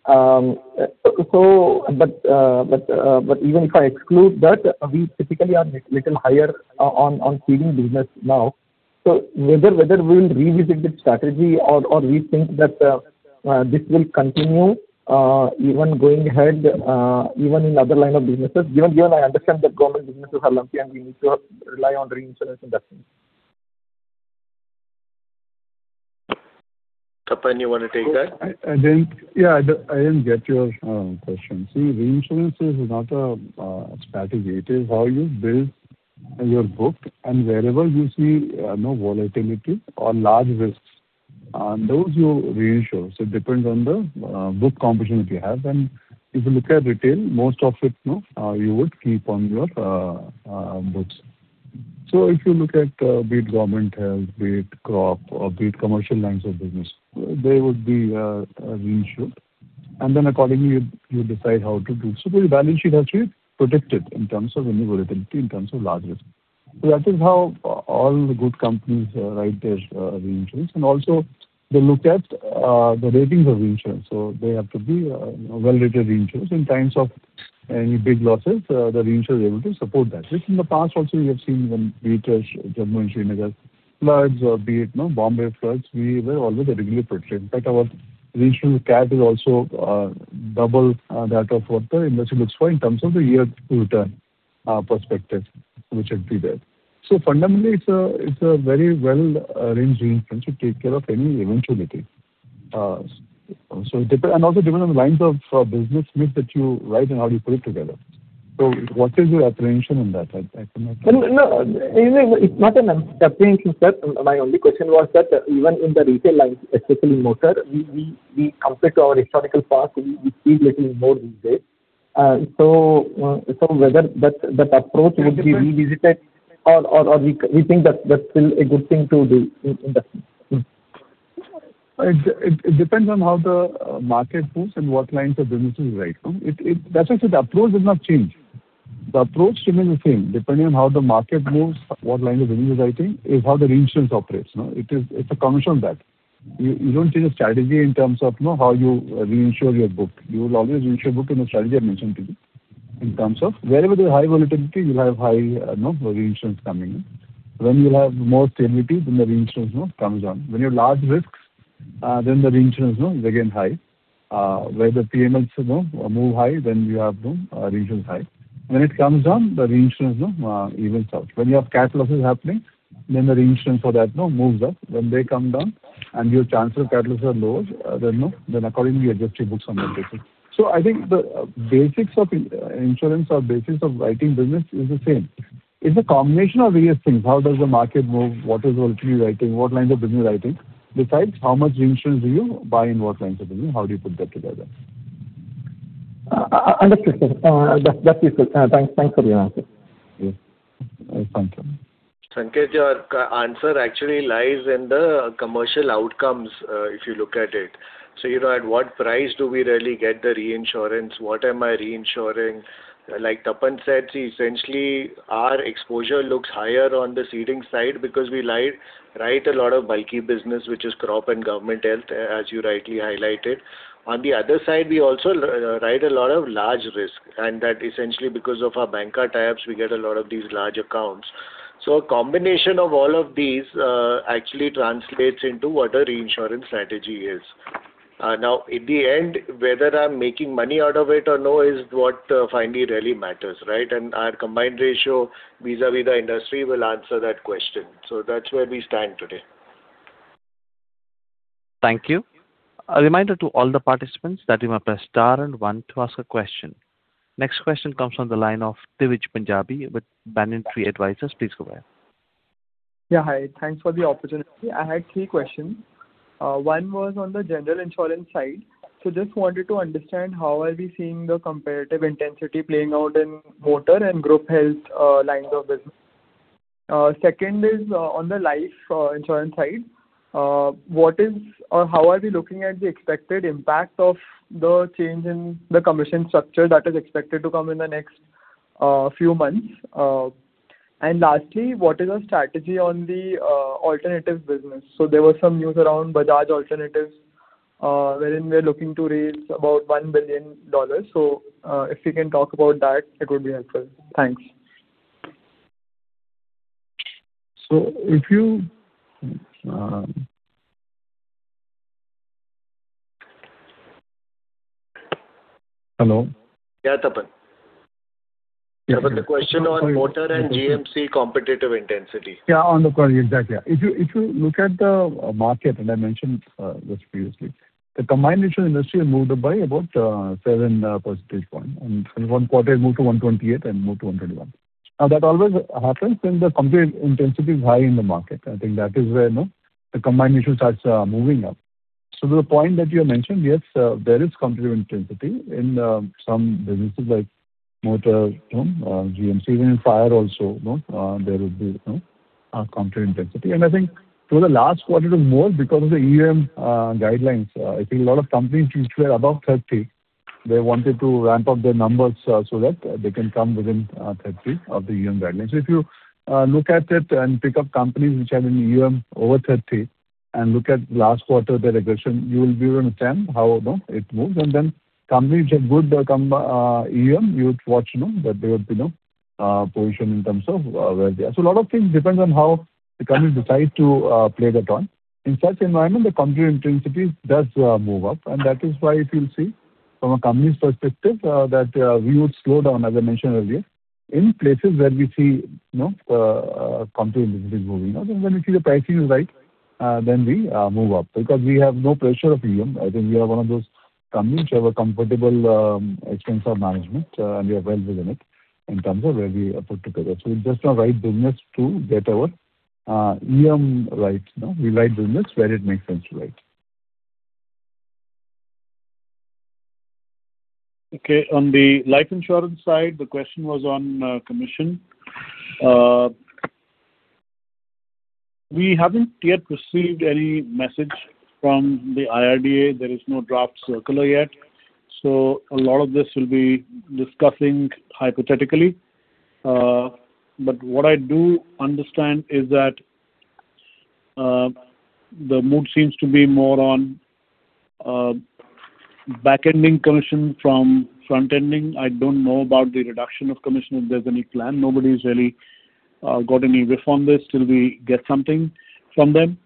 40-43%. Even if I exclude that, we typically are little higher on ceding business now. Whether we'll revisit this strategy or we think that this will continue even going ahead, even in other line of businesses, given I understand that government businesses are lumpy and we need to rely on reinsurance investments. Tapan, you wanna take that? I didn't get your question. See, reinsurance is not a strategy. It is how you build your book. Wherever you see no volatility or large risks, those you reinsure. It depends on the book composition that you have. If you look at retail, most of it, you know, you would keep on your books. If you look at be it government health, be it crop or be it commercial lines of business, they would be reinsured. Accordingly you decide how to do. The balance sheet actually protected in terms of any volatility, in terms of large risk. That is how all the good companies write their reinsurance. Also they look at the ratings of reinsurance. They have to be, you know, well-rated reinsurers. In times of any big losses, the reinsurer is able to support that. Which in the past also we have seen when be it, Jammu and Srinagar floods or be it, you know, Bombay floods, we were always regularly protected. In fact, our reinsurance cap is also double that of what the industry looks for in terms of the year two return perspective which would be there. Fundamentally, it's a very well arranged reinsurance to take care of any eventuality. And also depending on the lines of business mix that you write and how do you put it together. What is your apprehension on that? I cannot. No, no, it's not an apprehension, sir. My only question was that even in the retail lines, especially motor, we compared to our historical past, we cede little more these days. Whether that approach would be revisited or we think that that's still a good thing to do in the future. It depends on how the market moves and what lines of businesses you write. That's why I said the approach does not change. The approach remains the same. Depending on how the market moves, what line of business you're writing is how the reinsurance operates, no? It's a combination of that. You don't change the strategy in terms of, you know, how you reinsure your book. You will always reinsure book in the strategy I mentioned to you. In terms of wherever there's high volatility, you'll have high, you know, reinsurance coming in. When you have more stability, then the reinsurance, you know, comes down. When you have large risks, then the reinsurance, you know, is again high. Where the PMLs, you know, move high, then you have, you know, reinsurance high. When it comes down, the reinsurance, you know, evens out. When you have cat losses happening, the reinsurance for that, you know, moves up. When they come down and your chances of cat losses are lower, you know, accordingly you adjust your books on that basis. I think the basics of insurance or basics of writing business is the same. It's a combination of various things. How does the market move? What is the volatility you're writing? What lines of business you're writing? Decides how much reinsurance do you buy in what lines of business, how do you put that together. Understood, sir. That's useful. Thanks for the answer. Yes. Thank you. Sanketh, your answer actually lies in the commercial outcomes, if you look at it. You know, at what price do we really get the reinsurance? What am I reinsuring? Like Tapan said, see, essentially our exposure looks higher on the ceding side because we write a lot of bulky business, which is crop and government health, as you rightly highlighted. On the other side, we also write a lot of large risk, and that essentially because of our bancassurance, we get a lot of these large accounts. A combination of all of these actually translates into what a reinsurance strategy is. Now at the end, whether I'm making money out of it or no is what finally really matters, right? Our combined ratio vis-à-vis the industry will answer that question. That's where we stand today. Thank you. A reminder to all the participants that you must press star and one to ask a question. Next question comes from the line of Divij Punjabi with Banyan Tree Advisors. Please go ahead. Yeah, hi. Thanks for the opportunity. I had three questions. One was on the general insurance side. Just wanted to understand how are we seeing the comparative intensity playing out in motor and group health lines of business. Second is, on the life insurance side. What is or how are we looking at the expected impact of the change in the commission structure that is expected to come in the next few months? Lastly, what is your strategy on the alternative business? There was some news around Bajaj Alternatives wherein they're looking to raise about $1 billion. If you can talk about that, it would be helpful. Thanks. Hello. Yeah, Tapan. Tapan, the question on motor and GMC competitive intensity. Yeah, exactly, yeah. If you look at the market that I mentioned just previously, the combined ratio industry has moved up by about 7 percentage points and from one quarter it moved to 128 and moved to 121. That always happens when the competitive intensity is high in the market. I think that is where, you know, the combined ratio starts moving up. To the point that you have mentioned, yes, there is competitive intensity in some businesses like motor, you know, GMC and even in fire also, you know, there would be, you know, competitive intensity. I think toward the last quarter it was more because of the EOM guidelines. I think a lot of companies which were above 30, they wanted to ramp up their numbers, so that they can come within 30 of the EOM guidelines. If you look at it and pick up companies which are in EOM over 30 and look at last quarter their aggression, you will give an attempt how, you know, it moves. Companies which have good EOM, you would watch, you know, that they would, you know, position in terms of where they are. A lot of things depends on how the company decides to play that on. In such environment, the competitive intensity does move up. That is why if you'll see from a company's perspective, that we would slow down, as I mentioned earlier, in places where we see competitive intensity is moving up. When we see the pricing is right, then we move up because we have no pressure of EOM. I think we are one of those companies which have a comfortable expense of management, and we are well within it in terms of where we are put together. It's just a right business to get our EOM right. We write business where it makes sense to write. Okay. On the life insurance side, the question was on commission. We haven't yet received any message from the IRDAI. There is no draft circular yet. A lot of this we'll be discussing hypothetically. What I do understand is that the mood seems to be more on back-ending commission from front-ending. I don't know about the reduction of commission if there's any plan. Nobody's really got any riff on this till we get something from them.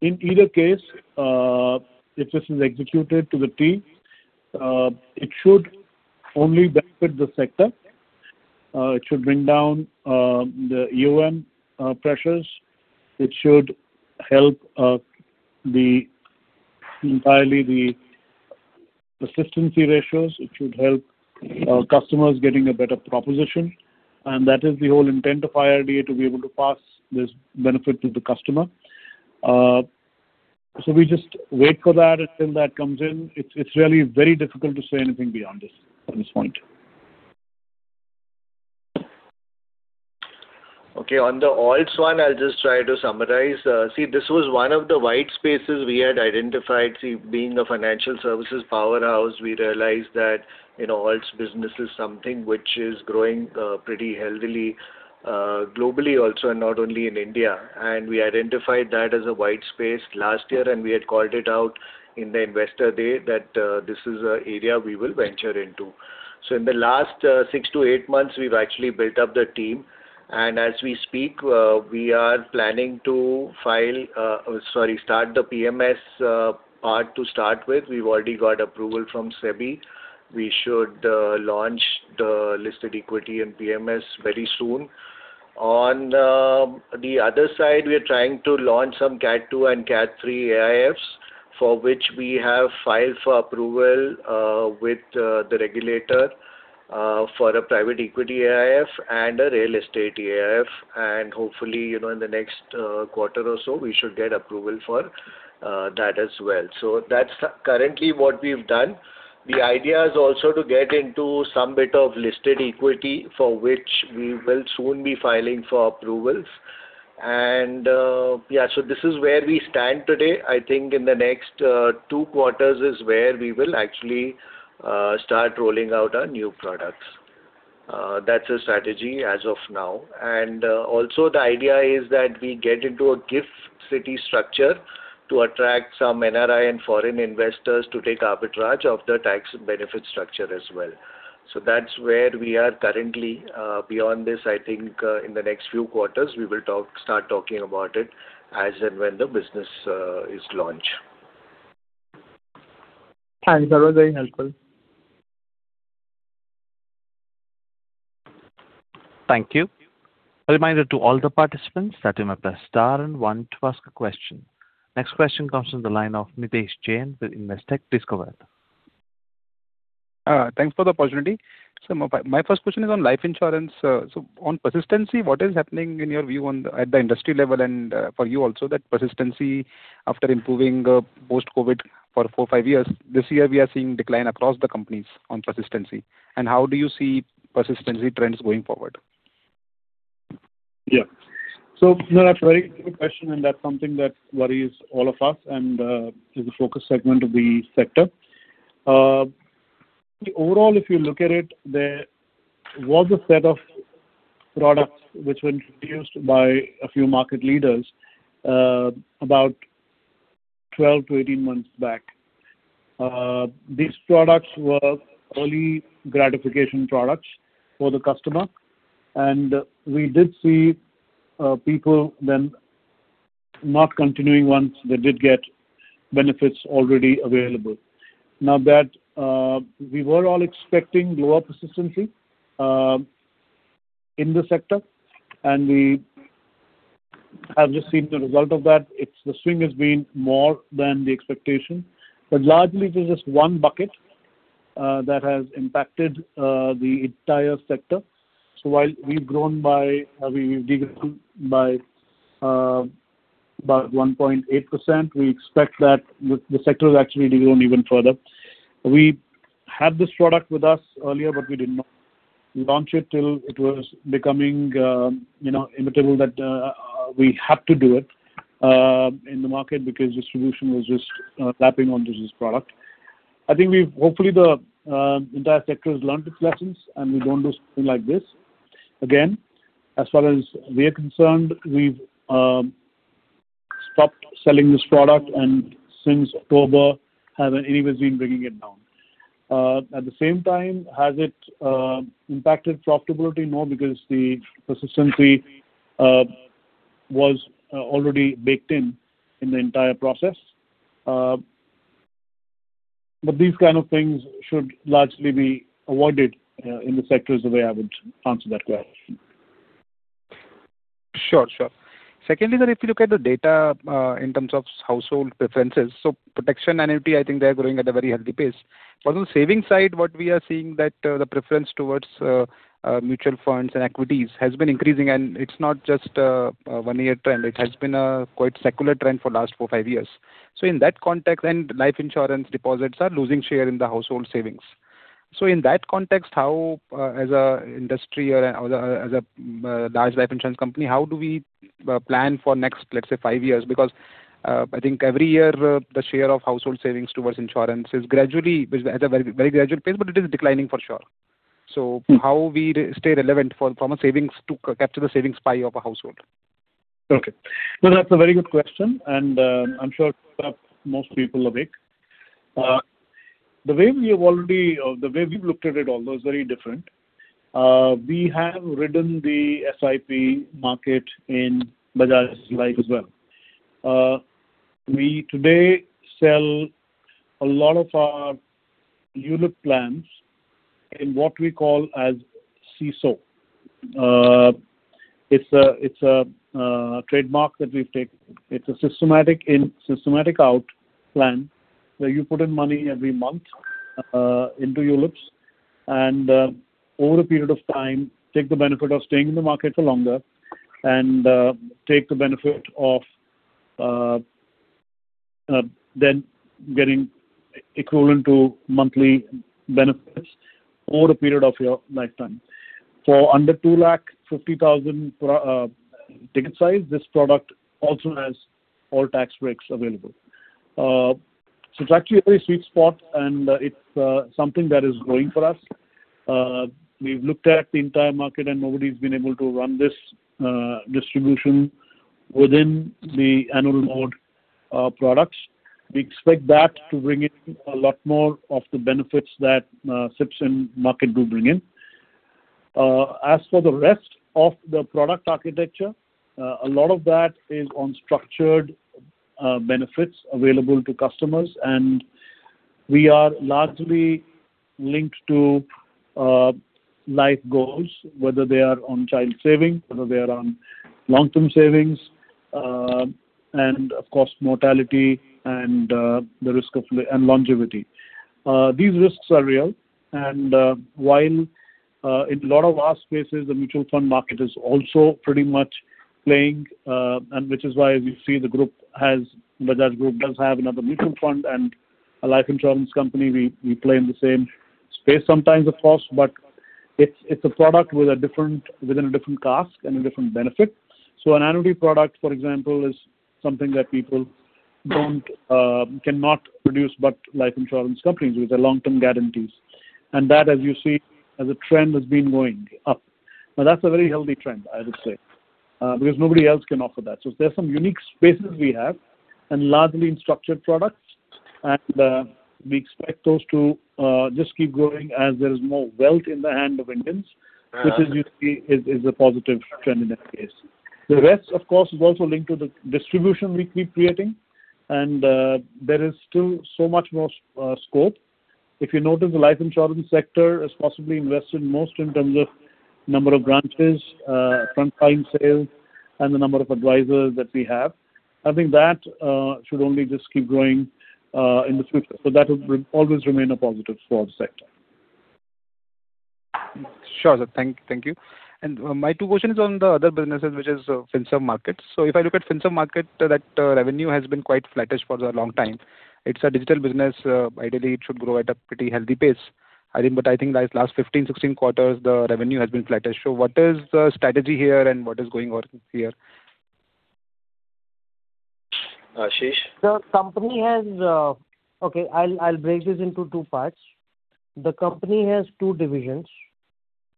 In either case, if this is executed to the T, it should only benefit the sector. It should bring down the EOM pressures. It should help entirely the persistency ratios. It should help our customers getting a better proposition, and that is the whole intent of IRDAI to be able to pass this benefit to the customer. We just wait for that until that comes in. It's really very difficult to say anything beyond this at this point. Okay. On the alts one, I'll just try to summarize. See, this was one of the white spaces we had identified. See, being a financial services powerhouse, we realized that, you know, alts business is something which is growing pretty healthily globally also and not only in India. We identified that as a white space last year and we had called it out in the investor day that this is an area we will venture into. In the last six to eight months we've actually built up the team and as we speak, we are planning to file, sorry start the PMS part to start with. We've already got approval from SEBI. We should launch the listed equity and PMS very soon. On the other side we are trying to launch some Cat 2 and Cat 3 AIFs for which we have filed for approval with the regulator for a private equity AIF and a real estate AIF. Hopefully, you know, in the next quarter or so we should get approval for that as well. That's currently what we've done. The idea is also to get into some bit of listed equity for which we will soon be filing for approvals. Yeah, this is where we stand today. I think in the next two quarters is where we will actually start rolling out our new products. That's the strategy as of now. Also the idea is that we get into a GIFT City structure to attract some NRI and foreign investors to take arbitrage of the tax benefit structure as well. That's where we are currently. Beyond this, I think, in the next few quarters we will start talking about it as and when the business is launched. Thanks. That was very helpful. Thank you. Next question comes from the line of Nidhesh Jain with Investec. Please go a head.. Thanks for the opportunity. My first question is on life insurance. On persistency, what is happening in your view on the at the industry level and for you also that persistency after improving post-COVID for four, five years. This year we are seeing decline across the companies on persistency. How do you see persistency trends going forward? Yeah. That's a very good question, and that's something that worries all of us and is a focus segment of the sector. Overall, if you look at it, there was a set of products which were introduced by a few market leaders about 12 months-18 months back. These products were early gratification products for the customer, and we did see people then not continuing once they did get benefits already available. Now that we were all expecting lower persistency in the sector, we have just seen the result of that. It's the swing has been more than the expectation. Largely, it is just one bucket that has impacted the entire sector. While we've grown by, we've de-grown by about 1.8%, we expect that the sector will actually de-grow even further. We had this product with us earlier, but we did not launch it till it was becoming, you know, inevitable that we have to do it in the market because distribution was just lapping onto this product. I think hopefully the entire sector has learnt its lessons, and we don't do something like this again. As far as we are concerned, we've stopped selling this product, and since October have anyways been bringing it down. At the same time, has it impacted profitability? No, because the persistency was already baked in the entire process. These kind of things should largely be avoided in the sector, is the way I would answer that question. Sure, sure. Secondly, if you look at the data, in terms of household preferences, protection and equity, I think they are growing at a very healthy pace. On saving side, what we are seeing that the preference towards mutual funds and equities has been increasing. It's not just a one-year trend. It has been a quite secular trend for last four, five years. In that context then, life insurance deposits are losing share in the household savings. In that context, how as a industry or as a large life insurance company, how do we plan for next, let's say, five years? I think every year the share of household savings towards insurance is gradually at a very, very gradual pace, but it is declining for sure. How we stay relevant from a savings to capture the savings pie of a household? Okay. No, that's a very good question. I'm sure it kept most people awake. The way we've looked at it, although it's very different, we have ridden the SIP market in Bajaj Life as well. We today sell a lot of our ULIP plans in what we call as SISO. It's a trademark that we've taken. It's a Systematic In, Systematic Out plan, where you put in money every month into ULIPs and over a period of time, take the benefit of staying in the market for longer and take the benefit of then getting equivalent to monthly benefits over a period of your lifetime. For under 250,000 ticket size, this product also has all tax breaks available. It's actually a very sweet spot, and it's something that is growing for us. We've looked at the entire market, and nobody's been able to run this distribution within the annual mode products. We expect that to bring in a lot more of the benefits that SIPs and market do bring in. As for the rest of the product architecture, a lot of that is on structured benefits available to customers, and we are largely linked to life goals, whether they are on child saving, whether they are on long-term savings, and of course, mortality and the risk of longevity. These risks are real. While in a lot of vast spaces, the mutual fund market is also pretty much playing, which is why we see the Bajaj Group does have another mutual fund and a life insurance company. We play in the same space sometimes, of course, but it's a product with a different cost and a different benefit. An annuity product, for example, is something that people don't cannot produce but life insurance companies with their long-term guarantees, and that, as you see, as a trend, has been going up. That's a very healthy trend, I would say, because nobody else can offer that. There are some unique spaces we have and largely in structured products. We expect those to just keep growing as there is more wealth in the hand of Indians, which as you see is a positive trend in that case. The rest, of course, is also linked to the distribution we keep creating. There is still so much more scope. If you notice, the life insurance sector has possibly invested most in terms of number of branches, front-line sales and the number of advisors that we have. I think that should only just keep growing in the future. That will always remain a positive for our sector. Sure. Thank you. My two question is on the other businesses, which is Finserv Markets. If I look at Finserv Market, that revenue has been quite flattish for a long time. It's a digital business. Ideally, it should grow at a pretty healthy pace. I think. I think that last 15, 16 quarters, the revenue has been flattish. What is the strategy here and what is going on here? Ashish. Okay, I'll break this into two parts. The company has two divisions.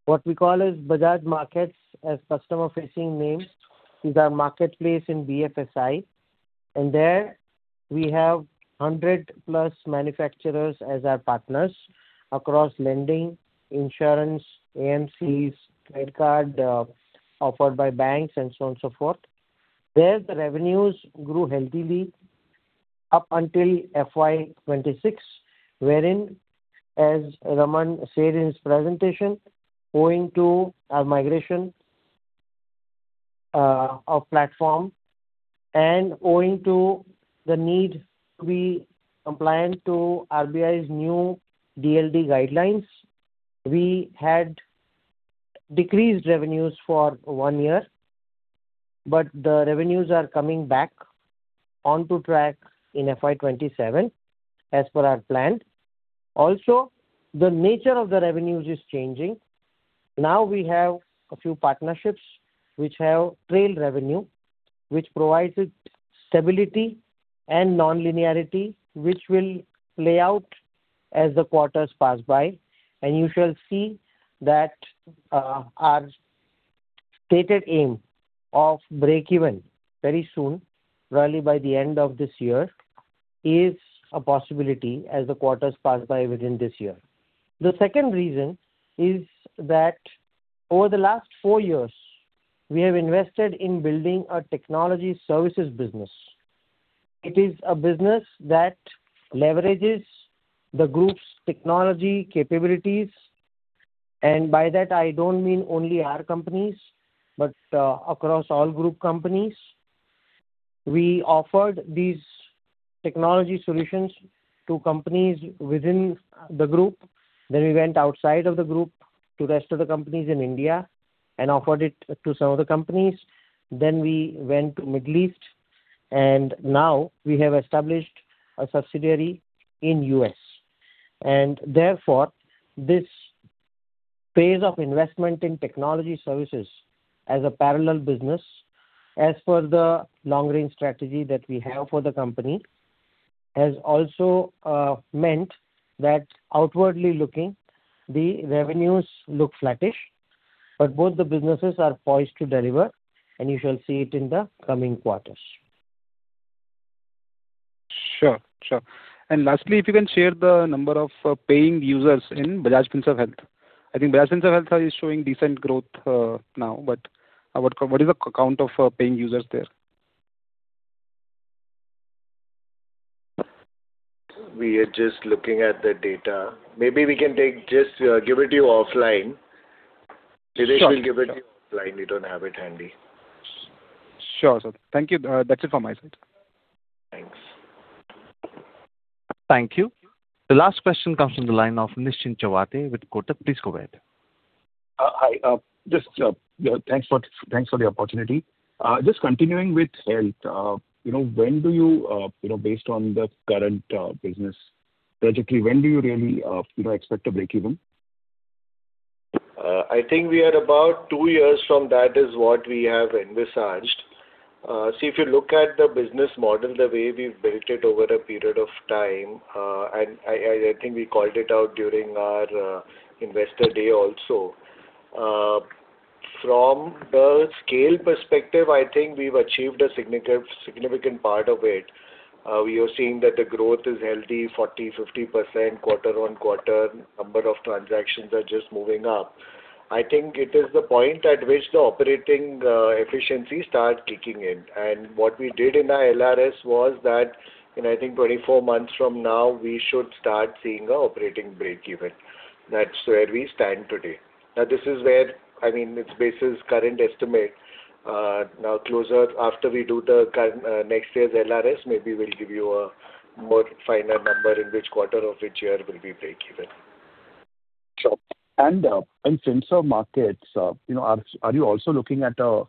What we call as Bajaj Markets as customer-facing names is our marketplace in BFSI. There we have 100+ manufacturers as our partners across lending, insurance, AMCs, credit card, offered by banks and so on, so forth. There, the revenues grew healthily up until FY 2026, wherein, as Raman said in his presentation, owing to our migration of platform and owing to the need to be compliant to RBI's new DLG guidelines, we had decreased revenues for 1 year. The revenues are coming back onto track in FY 2027 as per our plan. The nature of the revenues is changing. Now we have a few partnerships which have trail revenue, which provides it stability and nonlinearity, which will play out as the quarters pass by. You shall see that our stated aim of break even very soon, probably by the end of this year, is a possibility as the quarters pass by within this year. The second reason is that over the last four years, we have invested in building a technology services business. It is a business that leverages the group's technology capabilities, and by that I don't mean only our companies, but across all group companies. We offered these technology solutions to companies within the group. We went outside of the group to rest of the companies in India and offered it to some other companies. We went to Middle East, and now we have established a subsidiary in U.S. Therefore, this phase of investment in technology services as a parallel business as per the long-range strategy that we have for the company, has also meant that outwardly looking, the revenues look flattish, but both the businesses are poised to deliver, and you shall see it in the coming quarters. Sure, sure. Lastly, if you can share the number of paying users in Bajaj Finserv Health. I think Bajaj Finserv Health are showing decent growth now, but what is the count of paying users there? We are just looking at the data. Maybe we can take, just, give it to you offline. Sure. Nidhesh will give it to you offline. We don't have it handy. Sure, sir. Thank you. That's it from my side. Thanks. Thank you. The last question comes from the line of Nischint Chawathe with Kotak Mahindra. Hi. Just, yeah, thanks for the opportunity. Just continuing with health, you know, when do you know, based on the current business trajectory, when do you really, you know, expect to break even? I think we are about two years from that is what we have envisaged. See, if you look at the business model, the way we've built it over a period of time, and I, I think we called it out during our investor day also. From the scale perspective, I think we've achieved a significant part of it. We are seeing that the growth is healthy, 40%, 50% quarter-on-quarter. Number of transactions are just moving up. I think it is the point at which the operating efficiency start kicking in. What we did in our LRS was that, you know, I think 24 months from now, we should start seeing a operating break-even. That's where we stand today. Now, this is where, I mean, it's based on current estimate. Now closer, after we do the next year's LRS, maybe we'll give you a more finer number in which quarter of which year will be break even. Sure. In Bajaj Markets, you know, are you also looking at a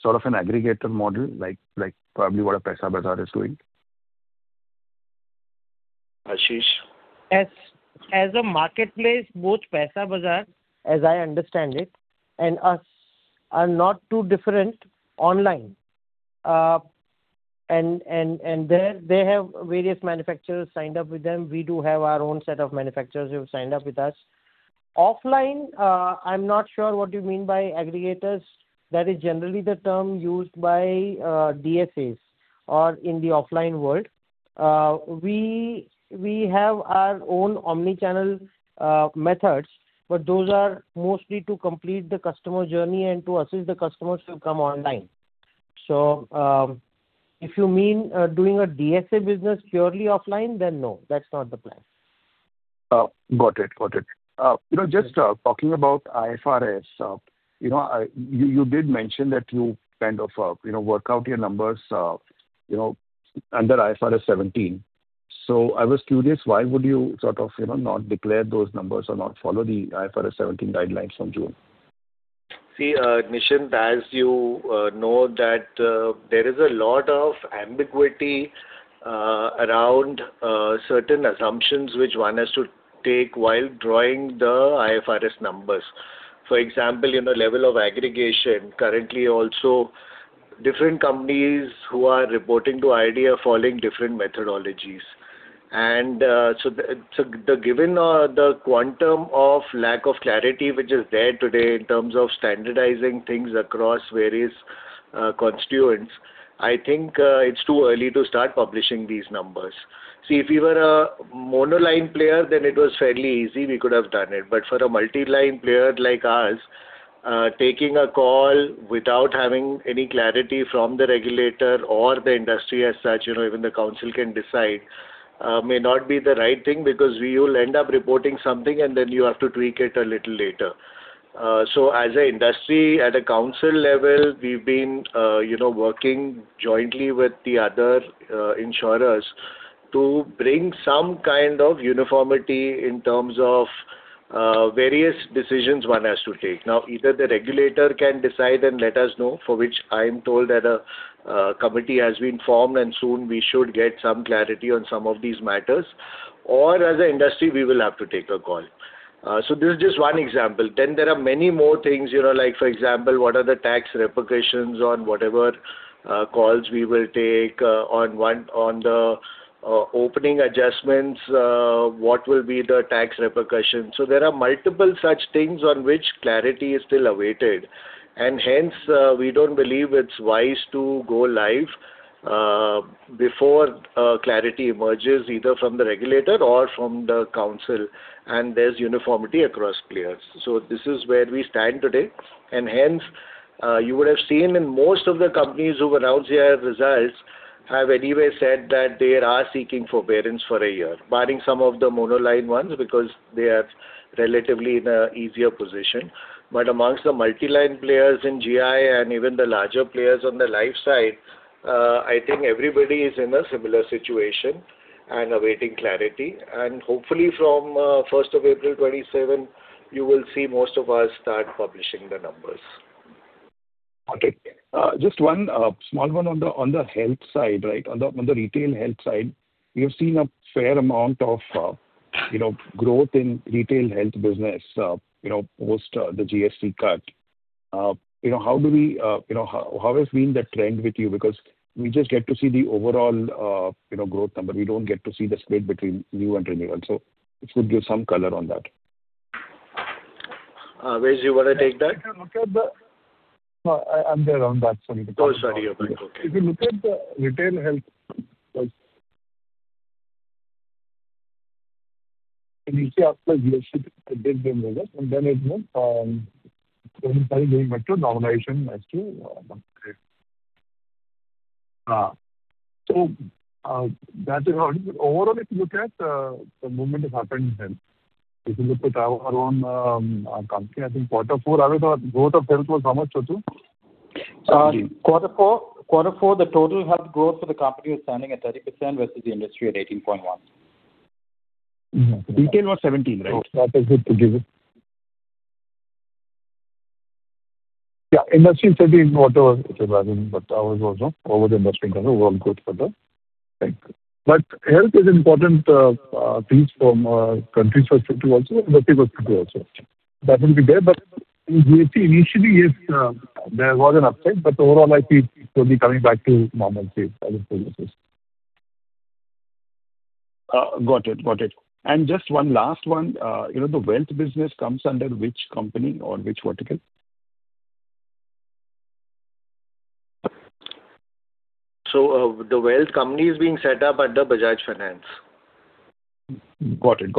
sort of an aggregator model like probably what a Paisabazaar is doing? Ashish. As a marketplace, both Paisa Bazaar, as I understand it, and us are not too different online. There they have various manufacturers signed up with them. We do have our own set of manufacturers who have signed up with us. Offline, I'm not sure what you mean by aggregators. That is generally the term used by DSAs or in the offline world. We have our own omni-channel methods, but those are mostly to complete the customer journey and to assist the customers to come online. If you mean doing a DSA business purely offline, then no, that's not the plan. Got it. Got it. You know, just, talking about IFRS, you know, you did mention that you kind of, you know, work out your numbers, you know, under IFRS 17. I was curious, why would you sort of, you know, not declare those numbers or not follow the IFRS 17 guidelines from June? See, Nischint, as you know that there is a lot of ambiguity around certain assumptions which one has to take while drawing the IFRS numbers. For example, you know, level of aggregation. Currently also different companies who are reporting to IFRS following different methodologies. The given the quantum of lack of clarity which is there today in terms of standardizing things across various constituents, I think, it's too early to start publishing these numbers. See, if we were a monoline player, then it was fairly easy, we could have done it. For a multi-line player like us, taking a call without having any clarity from the regulator or the industry as such, you know, even the council can decide, may not be the right thing because we will end up reporting something and then you have to tweak it a little later. As a industry at a council level, we've been, you know, working jointly with the other insurers to bring some kind of uniformity in terms of various decisions one has to take. Either the regulator can decide and let us know, for which I am told that a committee has been formed and soon we should get some clarity on some of these matters, or as a industry we will have to take a call. This is just one example. There are many more things, you know, like for example, what are the tax repercussions on whatever calls we will take on the opening adjustments, what will be the tax repercussions. There are multiple such things on which clarity is still awaited, and hence, we don't believe it's wise to go live before clarity emerges either from the regulator or from the council, and there's uniformity across players. This is where we stand today. Hence, you would have seen in most of the companies who've announced their results have anyway said that they are seeking forbearance for a year, barring some of the monoline ones because they are relatively in a easier position. Amongst the multi-line players in GI and even the larger players on the life side, I think everybody is in a similar situation and awaiting clarity. Hopefully from April 1st,2027, you will see most of us start publishing the numbers. Just one, small one on the health side, right? On the retail health side, we have seen a fair amount of, you know, growth in retail health business, you know, post the GST cut. You know, how do we, you know, how has been the trend with you? Because we just get to see the overall, you know, growth number. We don't get to see the split between new and renewal. If you could give some color on that. Vij, you wanna take that? No, I'm there on that. Sorry to cut you off. Oh, sorry. Okay. Okay. If you look at the retail health, like, if you ask the GST. The wealth company is being set up under Bajaj Finance. Got it.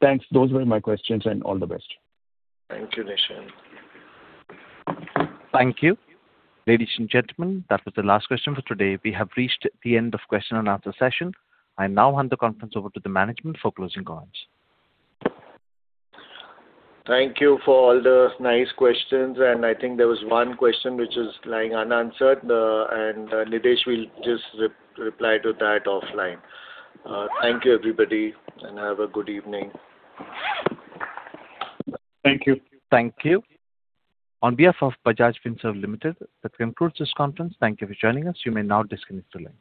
Thanks. Those were my questions, and all the best. Thank you, Nischint. Thank you. Ladies and gentlemen, that was the last question for today. We have reached the end of question and answer session. I now hand the conference over to the management for closing comments. Thank you for all the nice questions. I think there was one question which is lying unanswered. Nidhesh will just re-reply to that offline. Thank you everybody. Have a good evening. Thank you. Thank you. On behalf of Bajaj Finserv Limited, that concludes this conference. Thank you for joining us. You may now disconnect your lines.